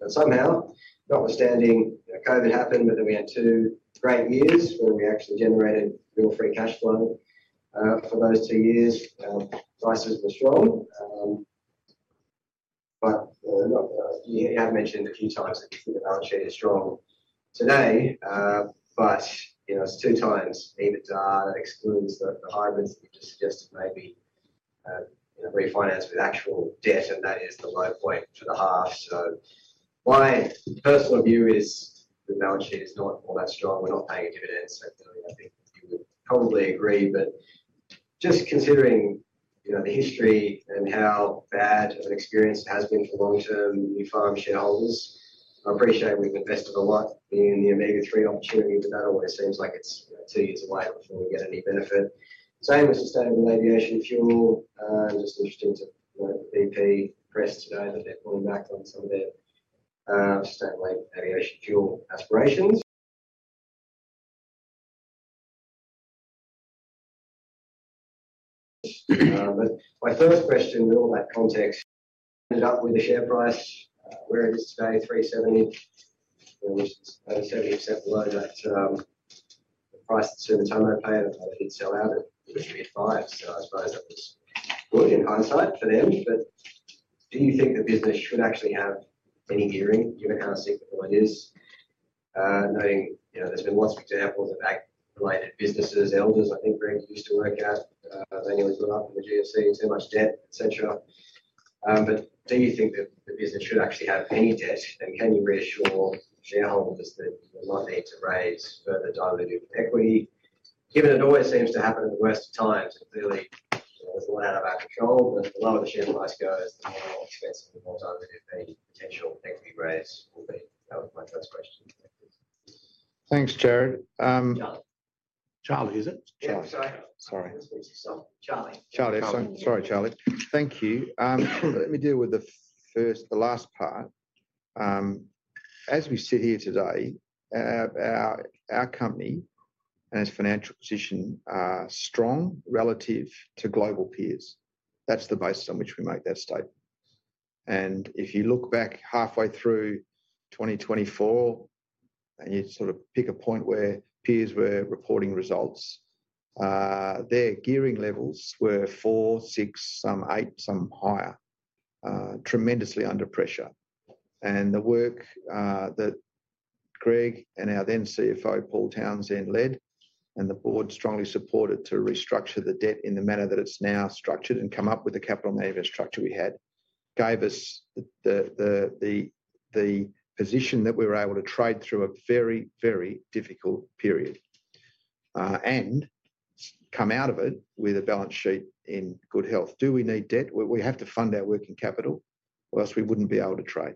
But somehow, notwithstanding, COVID happened. But then we had two great years when we actually generated real free cash flow for those two years. Prices were strong. But you have mentioned a few times that you think the balance sheet is strong today. But it's two times EBITDA that excludes the hybrids that you just suggested may be refinanced with actual debt. And that is the low point for the half. So my personal view is the balance sheet is not all that strong. We're not paying dividends. So I think you would probably agree. But just considering the history and how bad of an experience it has been for long-term Nufarm shareholders, I appreciate we've invested a lot in the omega-3 opportunity. But that always seems like it's two years away before we get any benefit. Same with sustainable aviation fuel. Just interesting to note the BP press today that they're pulling back on some of their sustainable aviation fuel aspirations. But my first question, with all that context, ended up with the share price where it is today, 3.70, which is over 70% below the price that Sumitomo paid. They did sell out at AUD 3.85. So I suppose that was good in hindsight for them. But do you think the business should actually have any gearing, given how sick the board is? Noting there's been lots of examples of ASX-related businesses, Elders, I think Greg used to work at. They nearly put up with the GFC, too much debt, etc. But do you think that the business should actually have any debt? And can you reassure shareholders that they might need to raise further diluted equity, given it always seems to happen in the worst of times? And clearly, there's a lot out of our control. But the lower the share price goes, the more expensive the more diluted potential equity raise will be. That was my first question. Thanks, Jared. Charlie? Sorry, Charlie. Thank you. Let me deal with the last part. As we sit here today, our company and its financial position are strong relative to global peers. That's the basis on which we make that statement. And if you look back halfway through 2024 and you sort of pick a point where peers were reporting results, their gearing levels were four, six, some eight, some higher, tremendously under pressure. And the work that Greg and our then CFO, Paul Townsend, led and the board strongly supported to restructure the debt in the manner that it's now structured and come up with the capital management structure we had gave us the position that we were able to trade through a very, very difficult period and come out of it with a balance sheet in good health. Do we need debt? We have to fund our working capital or else we wouldn't be able to trade.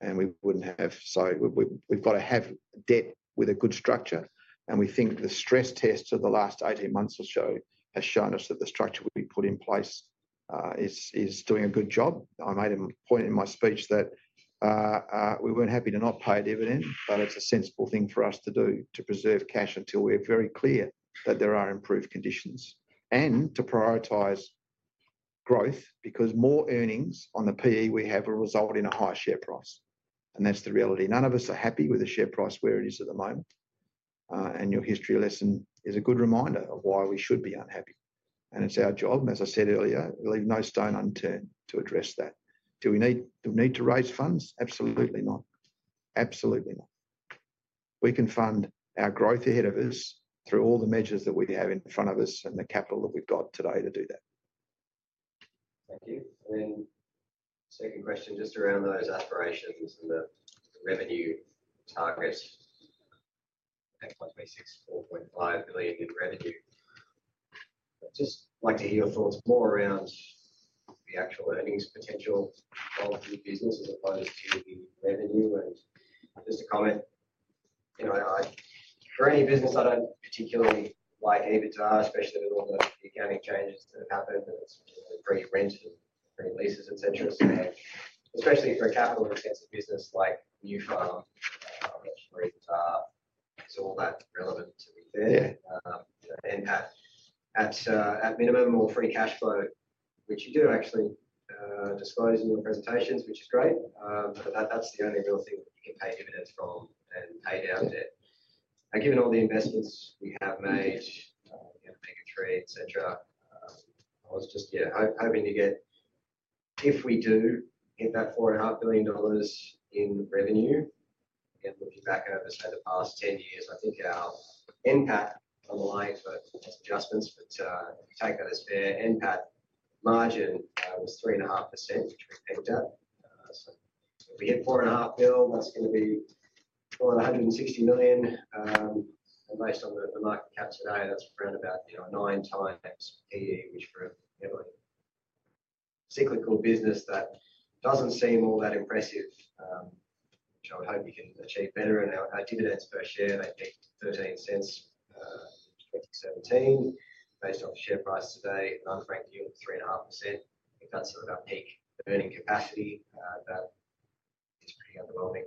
And we wouldn't have. So we've got to have debt with a good structure. And we think the stress test of the last 18 months or so has shown us that the structure we put in place is doing a good job. I made a point in my speech that we weren't happy to not pay dividend. But it's a sensible thing for us to do to preserve cash until we're very clear that there are improved conditions and to prioritize growth because more earnings on the PE we have will result in a higher share price. And that's the reality. None of us are happy with the share price where it is at the moment. And your history lesson is a good reminder of why we should be unhappy. And it's our job. And as I said earlier, leave no stone unturned to address that. Do we need to raise funds? Absolutely not. Absolutely not. We can fund our growth ahead of us through all the measures that we have in front of us and the capital that we've got today to do that. Thank you. And then second question, just around those aspirations and the revenue target, FY26, 4.5 billion in revenue. I'd just like to hear your thoughts more around the actual earnings potential of the business as opposed to the revenue. And just a comment. For any business, I don't particularly like EBITDA, especially with all the accounting changes that have happened and it's rent and property leases, etc. So especially for a capital-intensive business like Nufarm, which is all that relevant to be fair, NPAT at minimum or free cash flow, which you do actually disclose in your presentations, which is great. But that's the only real thing that you can pay dividends from and pay down debt. And given all the investments we have made, Omega-3, etc., I was just, yeah, hoping to get if we do hit that 4.5 billion dollars in revenue, again, looking back over, say, the past 10 years, I think our NPAT on the line, so that's adjustments. But if you take that as fair, NPAT margin was 3.5%, which we pegged at. So if we hit 4.5 billion, that's going to be more than 160 million. And based on the market cap today, that's around about nine times PE, which for a heavily cyclical business that doesn't seem all that impressive, which I would hope you can achieve better. And our dividends per share, they peaked at AUD 0.13 in 2017 based off the share price today, an unfranked yield of 3.5%. I think that's sort of our peak earning capacity. That is pretty underwhelming.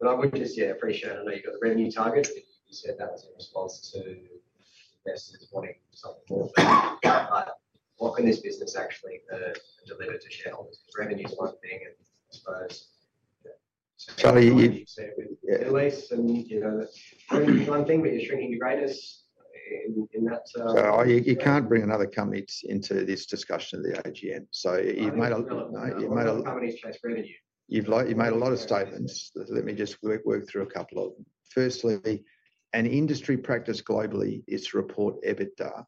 But I would just, yeah, appreciate it. I know you've got the revenue target. You said that was in response to investors wanting something more. But what can this business actually deliver to shareholders? Because revenue is one thing, and I suppose Charlie, you said with the lease and that's shrinking is one thing, but you're shrinking your business in that. You can't bring another company into this discussion of the AGM. So you've made a lot. Companies chase revenue. You've made a lot of statements. Let me just work through a couple of them. Firstly, an industry practice globally is to report EBITDA.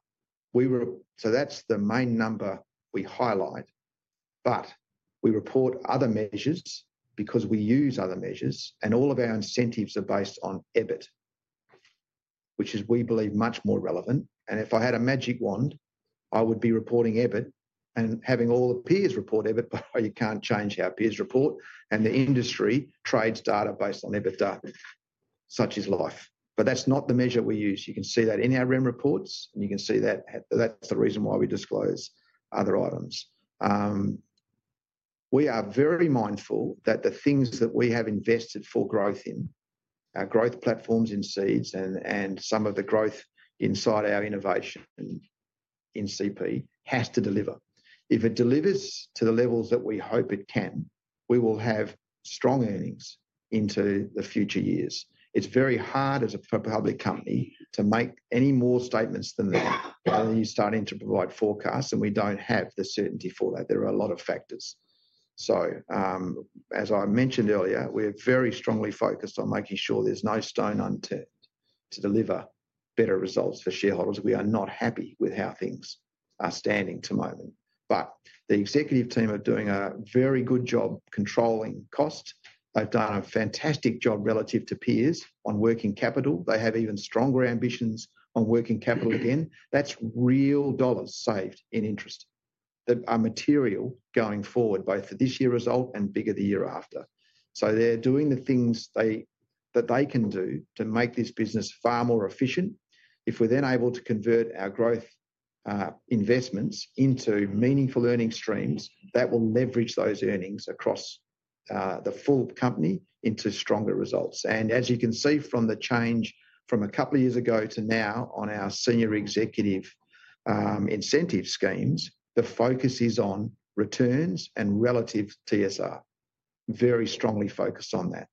So that's the main number we highlight. But we report other measures because we use other measures. And all of our incentives are based on EBIT, which is, we believe, much more relevant. And if I had a magic wand, I would be reporting EBIT and having all the peers report EBIT, but you can't change how peers report. And the industry trades data based on EBITDA, such is life. But that's not the measure we use. You can see that in our Rem reports. And you can see that that's the reason why we disclose other items. We are very mindful that the things that we have invested for growth in, our growth platforms in seeds and some of the growth inside our innovation in CP has to deliver. If it delivers to the levels that we hope it can, we will have strong earnings into the future years. It's very hard as a public company to make any more statements than that. You're starting to provide forecasts, and we don't have the certainty for that. There are a lot of factors. So as I mentioned earlier, we're very strongly focused on making sure there's no stone unturned to deliver better results for shareholders. We are not happy with how things are standing at the moment. But the executive team are doing a very good job controlling costs. They've done a fantastic job relative to peers on working capital. They have even stronger ambitions on working capital again. That's real dollars saved in interest that are material going forward, both for this year's result and bigger the year after. So they're doing the things that they can do to make this business far more efficient. If we're then able to convert our growth investments into meaningful earnings streams, that will leverage those earnings across the full company into stronger results. And as you can see from the change from a couple of years ago to now on our senior executive incentive schemes, the focus is on returns and relative TSR. Very strongly focused on that.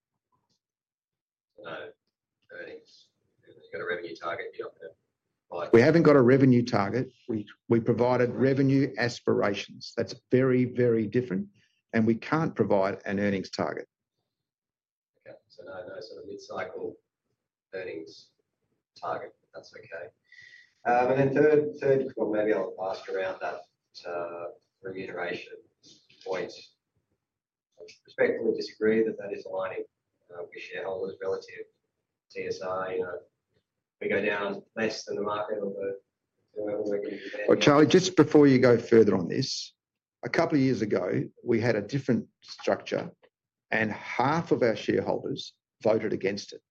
So earnings. You've got a revenue target. You're not going to. We haven't got a revenue target. We provided revenue aspirations. That's very, very different. And we can't provide an earnings target. Okay. So no sort of mid-cycle earnings target. That's okay. And then third, maybe I'll ask around that remuneration points. I respectfully disagree that that is aligning with shareholders' relative TSR. We go down less than the market on the revenue we're going to. Well, Charlie, just before you go further on this, a couple of years ago, we had a different structure. And half of our shareholders voted against it.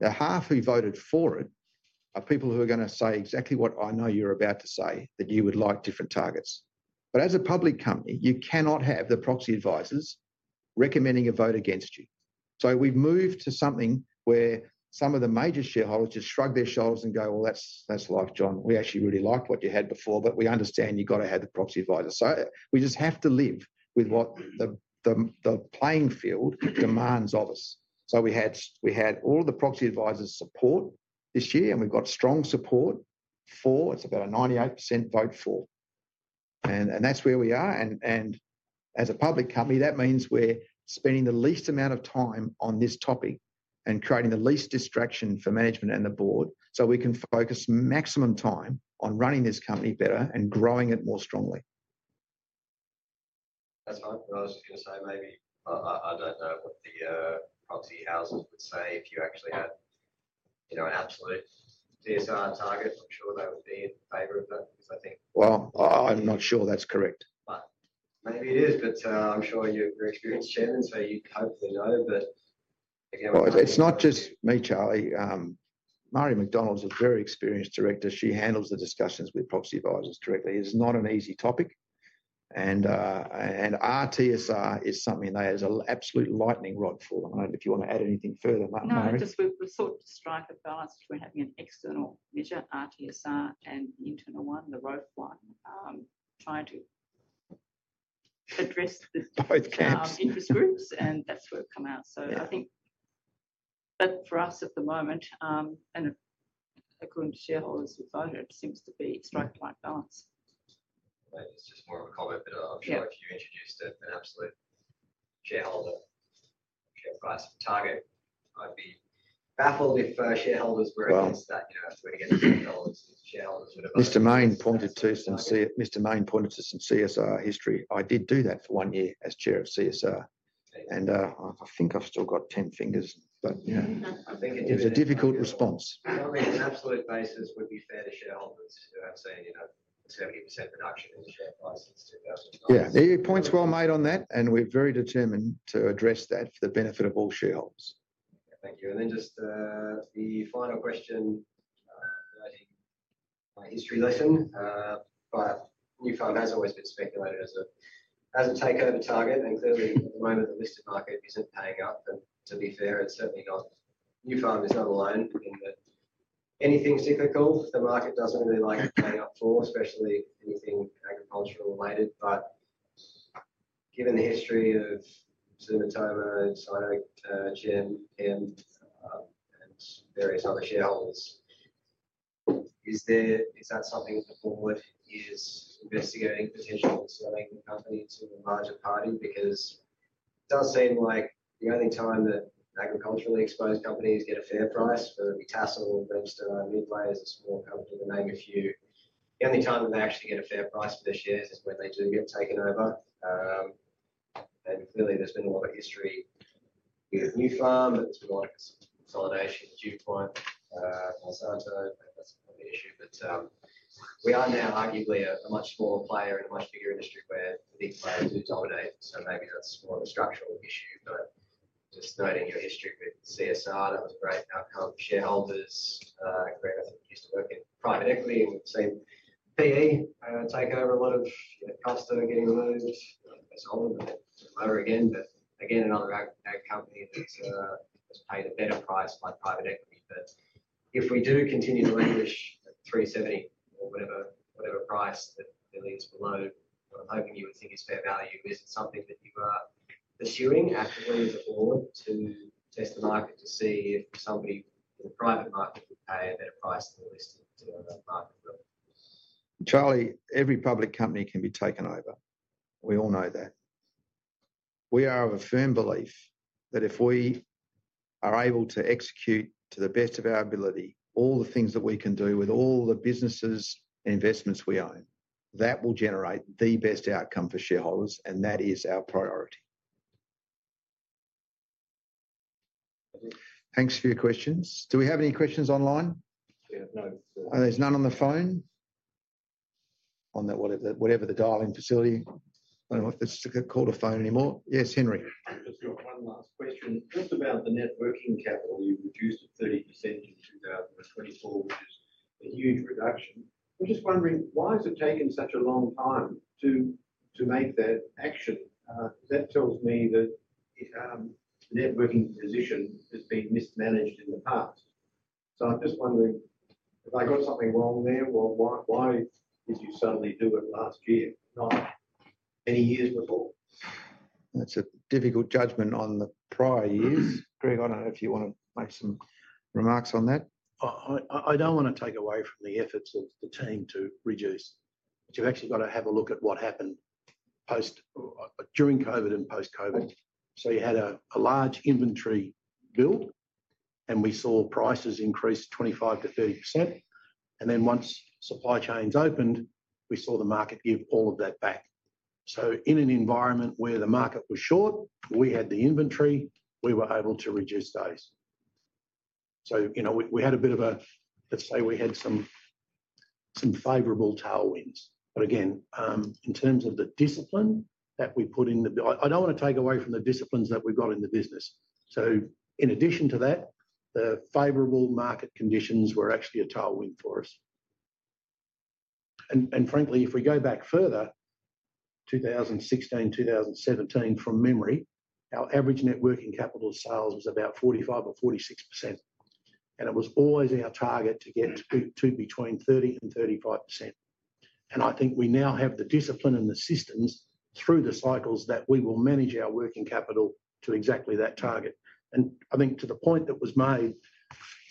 Now, half who voted for it are people who are going to say exactly what I know you're about to say, that you would like different targets. But as a public company, you cannot have the proxy advisors recommending a vote against you. So we've moved to something where some of the major shareholders just shrug their shoulders and go, was, that was, John. We actually really liked what you had before. But we understand you've got to have the proxy advisor. So we just have to live with what the playing field demands of us. So we had all of the proxy advisors' support this year. And we've got strong support for it's about a 98% vote for. And that's where we are. And as a public company, that means we're spending the least amount of time on this topic and creating the least distraction for management and the board so we can focus maximum time on running this company better and growing it more strongly. That's fine. But I was just going to say maybe I don't know what the proxy houses would say if you actually had an absolute TSR target. I'm sure they would be in favor of that because I think. Well, I'm not sure that's correct. But maybe it is. But I'm sure you're experienced, Shannon, so you hopefully know. But if you haven't. Well, it's not just me, Charlie. Marie McDonald is a very experienced director. She handles the discussions with proxy advisors directly. It's not an easy topic. And our TSR is something they have an absolute lightning rod for. I don't know if you want to add anything further. No. No. Just we're sort of strike a balance between having an external measure, our TSR, and the internal one, the ROFE one, trying to address the both counts interest groups. And that's where we've come out. So I think that for us at the moment, and according to shareholders' advisor, it seems to be strike a balance. It's just more of a comment. But I'm sure if you introduced an absolute shareholder share price target, I'd be baffled if shareholders were against that. If we're against shareholders, shareholders would have. Mr. Mayne pointed to some CSR history. I did do that for one year as Chair of CSR. And I think I've still got ten fingers. But it's a difficult response. On an absolute basis, that would be fair to shareholders who have seen 70% reduction in share price since 2012. Yeah, points well made on that, and we're very determined to address that for the benefit of all shareholders. Thank you, and then just the final question regarding my history lesson, but Nufarm has always been speculated as a takeover target. And clearly, at the moment, the listed market isn't paying up. And to be fair, it's certainly not. Nufarm is not alone in that. Anything cyclical, the market doesn't really like paying up for, especially anything agricultural related. But given the history of Sumitomo, Sinochem and various other shareholders, is that something the board is investigating potentially selling the company to a larger party? Because it does seem like the only time that agriculturally exposed companies get a fair price, whether it be Tassal or Regis, Midway is a small company to name a few, the only time that they actually get a fair price for their shares is when they do get taken over. And clearly, there's been a lot of history with Nufarm. There's been a lot of consolidation with DuPont, Monsanto. That's another issue. But we are now arguably a much smaller player in a much bigger industry where the big players do dominate. So maybe that's more of a structural issue. But just noting your history with CSR, that was a great outcome. Shareholders, Greg, I think, used to work in private equity. And we've seen PE take over a lot of costs that are getting moved. I think they sold them, but they're lower again. But again, another ag company that's paid a better price by private equity. But if we do continue to languish at 370 or whatever price that really is below, I'm hoping you would think it's fair value. Is it something that you are pursuing actively as a board to test the market to see if somebody in the private market would pay a better price than the listed market will? Charlie, every public company can be taken over. We all know that. We are of a firm belief that if we are able to execute to the best of our ability all the things that we can do with all the businesses and investments we own, that will generate the best outcome for shareholders. And that is our priority. Thanks for your questions. Do we have any questions online? Yeah. No. There's none on the phone or on whatever the dial-in facility. I don't know if it's called a phone anymore. Yes, Henry. Just one last question. Just about the net working capital, you've reduced it 30% in 2024, which is a huge reduction. I'm just wondering, why has it taken such a long time to make that action? That tells me that the net working capital position has been mismanaged in the past. So I'm just wondering, have I got something wrong there? Why did you suddenly do it last year, not many years before? That's a difficult judgment on the prior years. Greg, I don't know if you want to make some remarks on that. I don't want to take away from the efforts of the team to reduce. But you've actually got to have a look at what happened during COVID and post-COVID. You had a large inventory build. We saw prices increase 25%-30%. Then once supply chains opened, we saw the market give all of that back. In an environment where the market was short, we had the inventory, we were able to reduce those. We had a bit of a, let's say, we had some favorable tailwinds. But again, in terms of the discipline that we put in the, I don't want to take away from the disciplines that we've got in the business. So in addition to that, the favorable market conditions were actually a tailwind for us. And frankly, if we go back further, 2016, 2017, from memory, our average net working capital sales was about 45% or 46%. And it was always our target to get to between 30% and 35%. And I think we now have the discipline and the systems through the cycles that we will manage our working capital to exactly that target. And I think to the point that was made,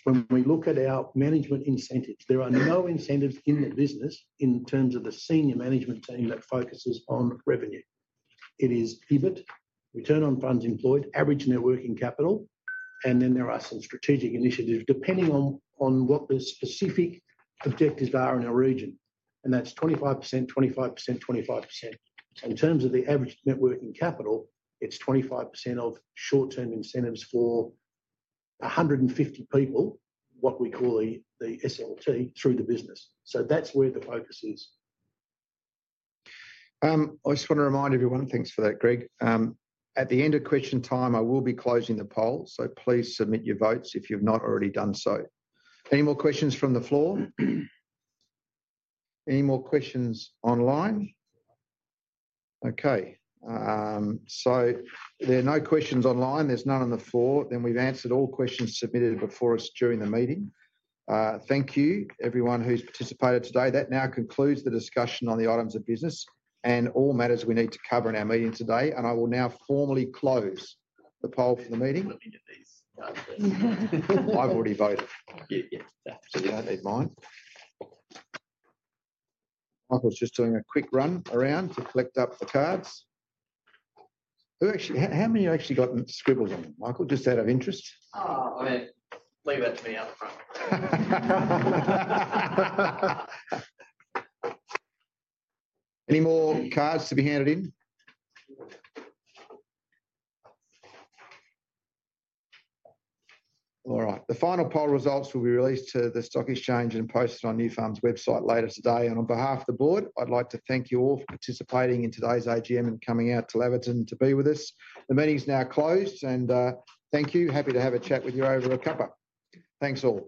when we look at our management incentives, there are no incentives in the business in terms of the senior management team that focuses on revenue. It is EBIT, return on funds employed, average net working capital. And then there are some strategic initiatives depending on what the specific objectives are in our region. And that's 25%, 25%, 25%. In terms of the average net working capital, it's 25% of short-term incentives for 150 people, what we call the SLT, through the business. So that's where the focus is. I just want to remind everyone, thanks for that, Greg. At the end of question time, I will be closing the poll. So please submit your votes if you've not already done so. Any more questions from the floor? Any more questions online? Okay. So there are no questions online. There's none on the floor. Then we've answered all questions submitted before us during the meeting. Thank you, everyone who's participated today. That now concludes the discussion on the items of business and all matters we need to cover in our meeting today. And I will now formally close the poll for the meeting. I've already voted. Yeah. Yeah. So you don't need mine. Michael's just doing a quick run around to collect up the cards. How many have you actually got scribbles on them, Michael? Just out of interest. Oh, I mean, leave that to me up front. Any more cards to be handed in? All right. The final poll results will be released to the stock exchange and posted on Nufarm's website later today. And on behalf of the board, I'd like to thank you all for participating in today's AGM and coming out to Laverton to be with us. The meeting's now closed. And thank you. Happy to have a chat with you over a cuppa. Thanks all.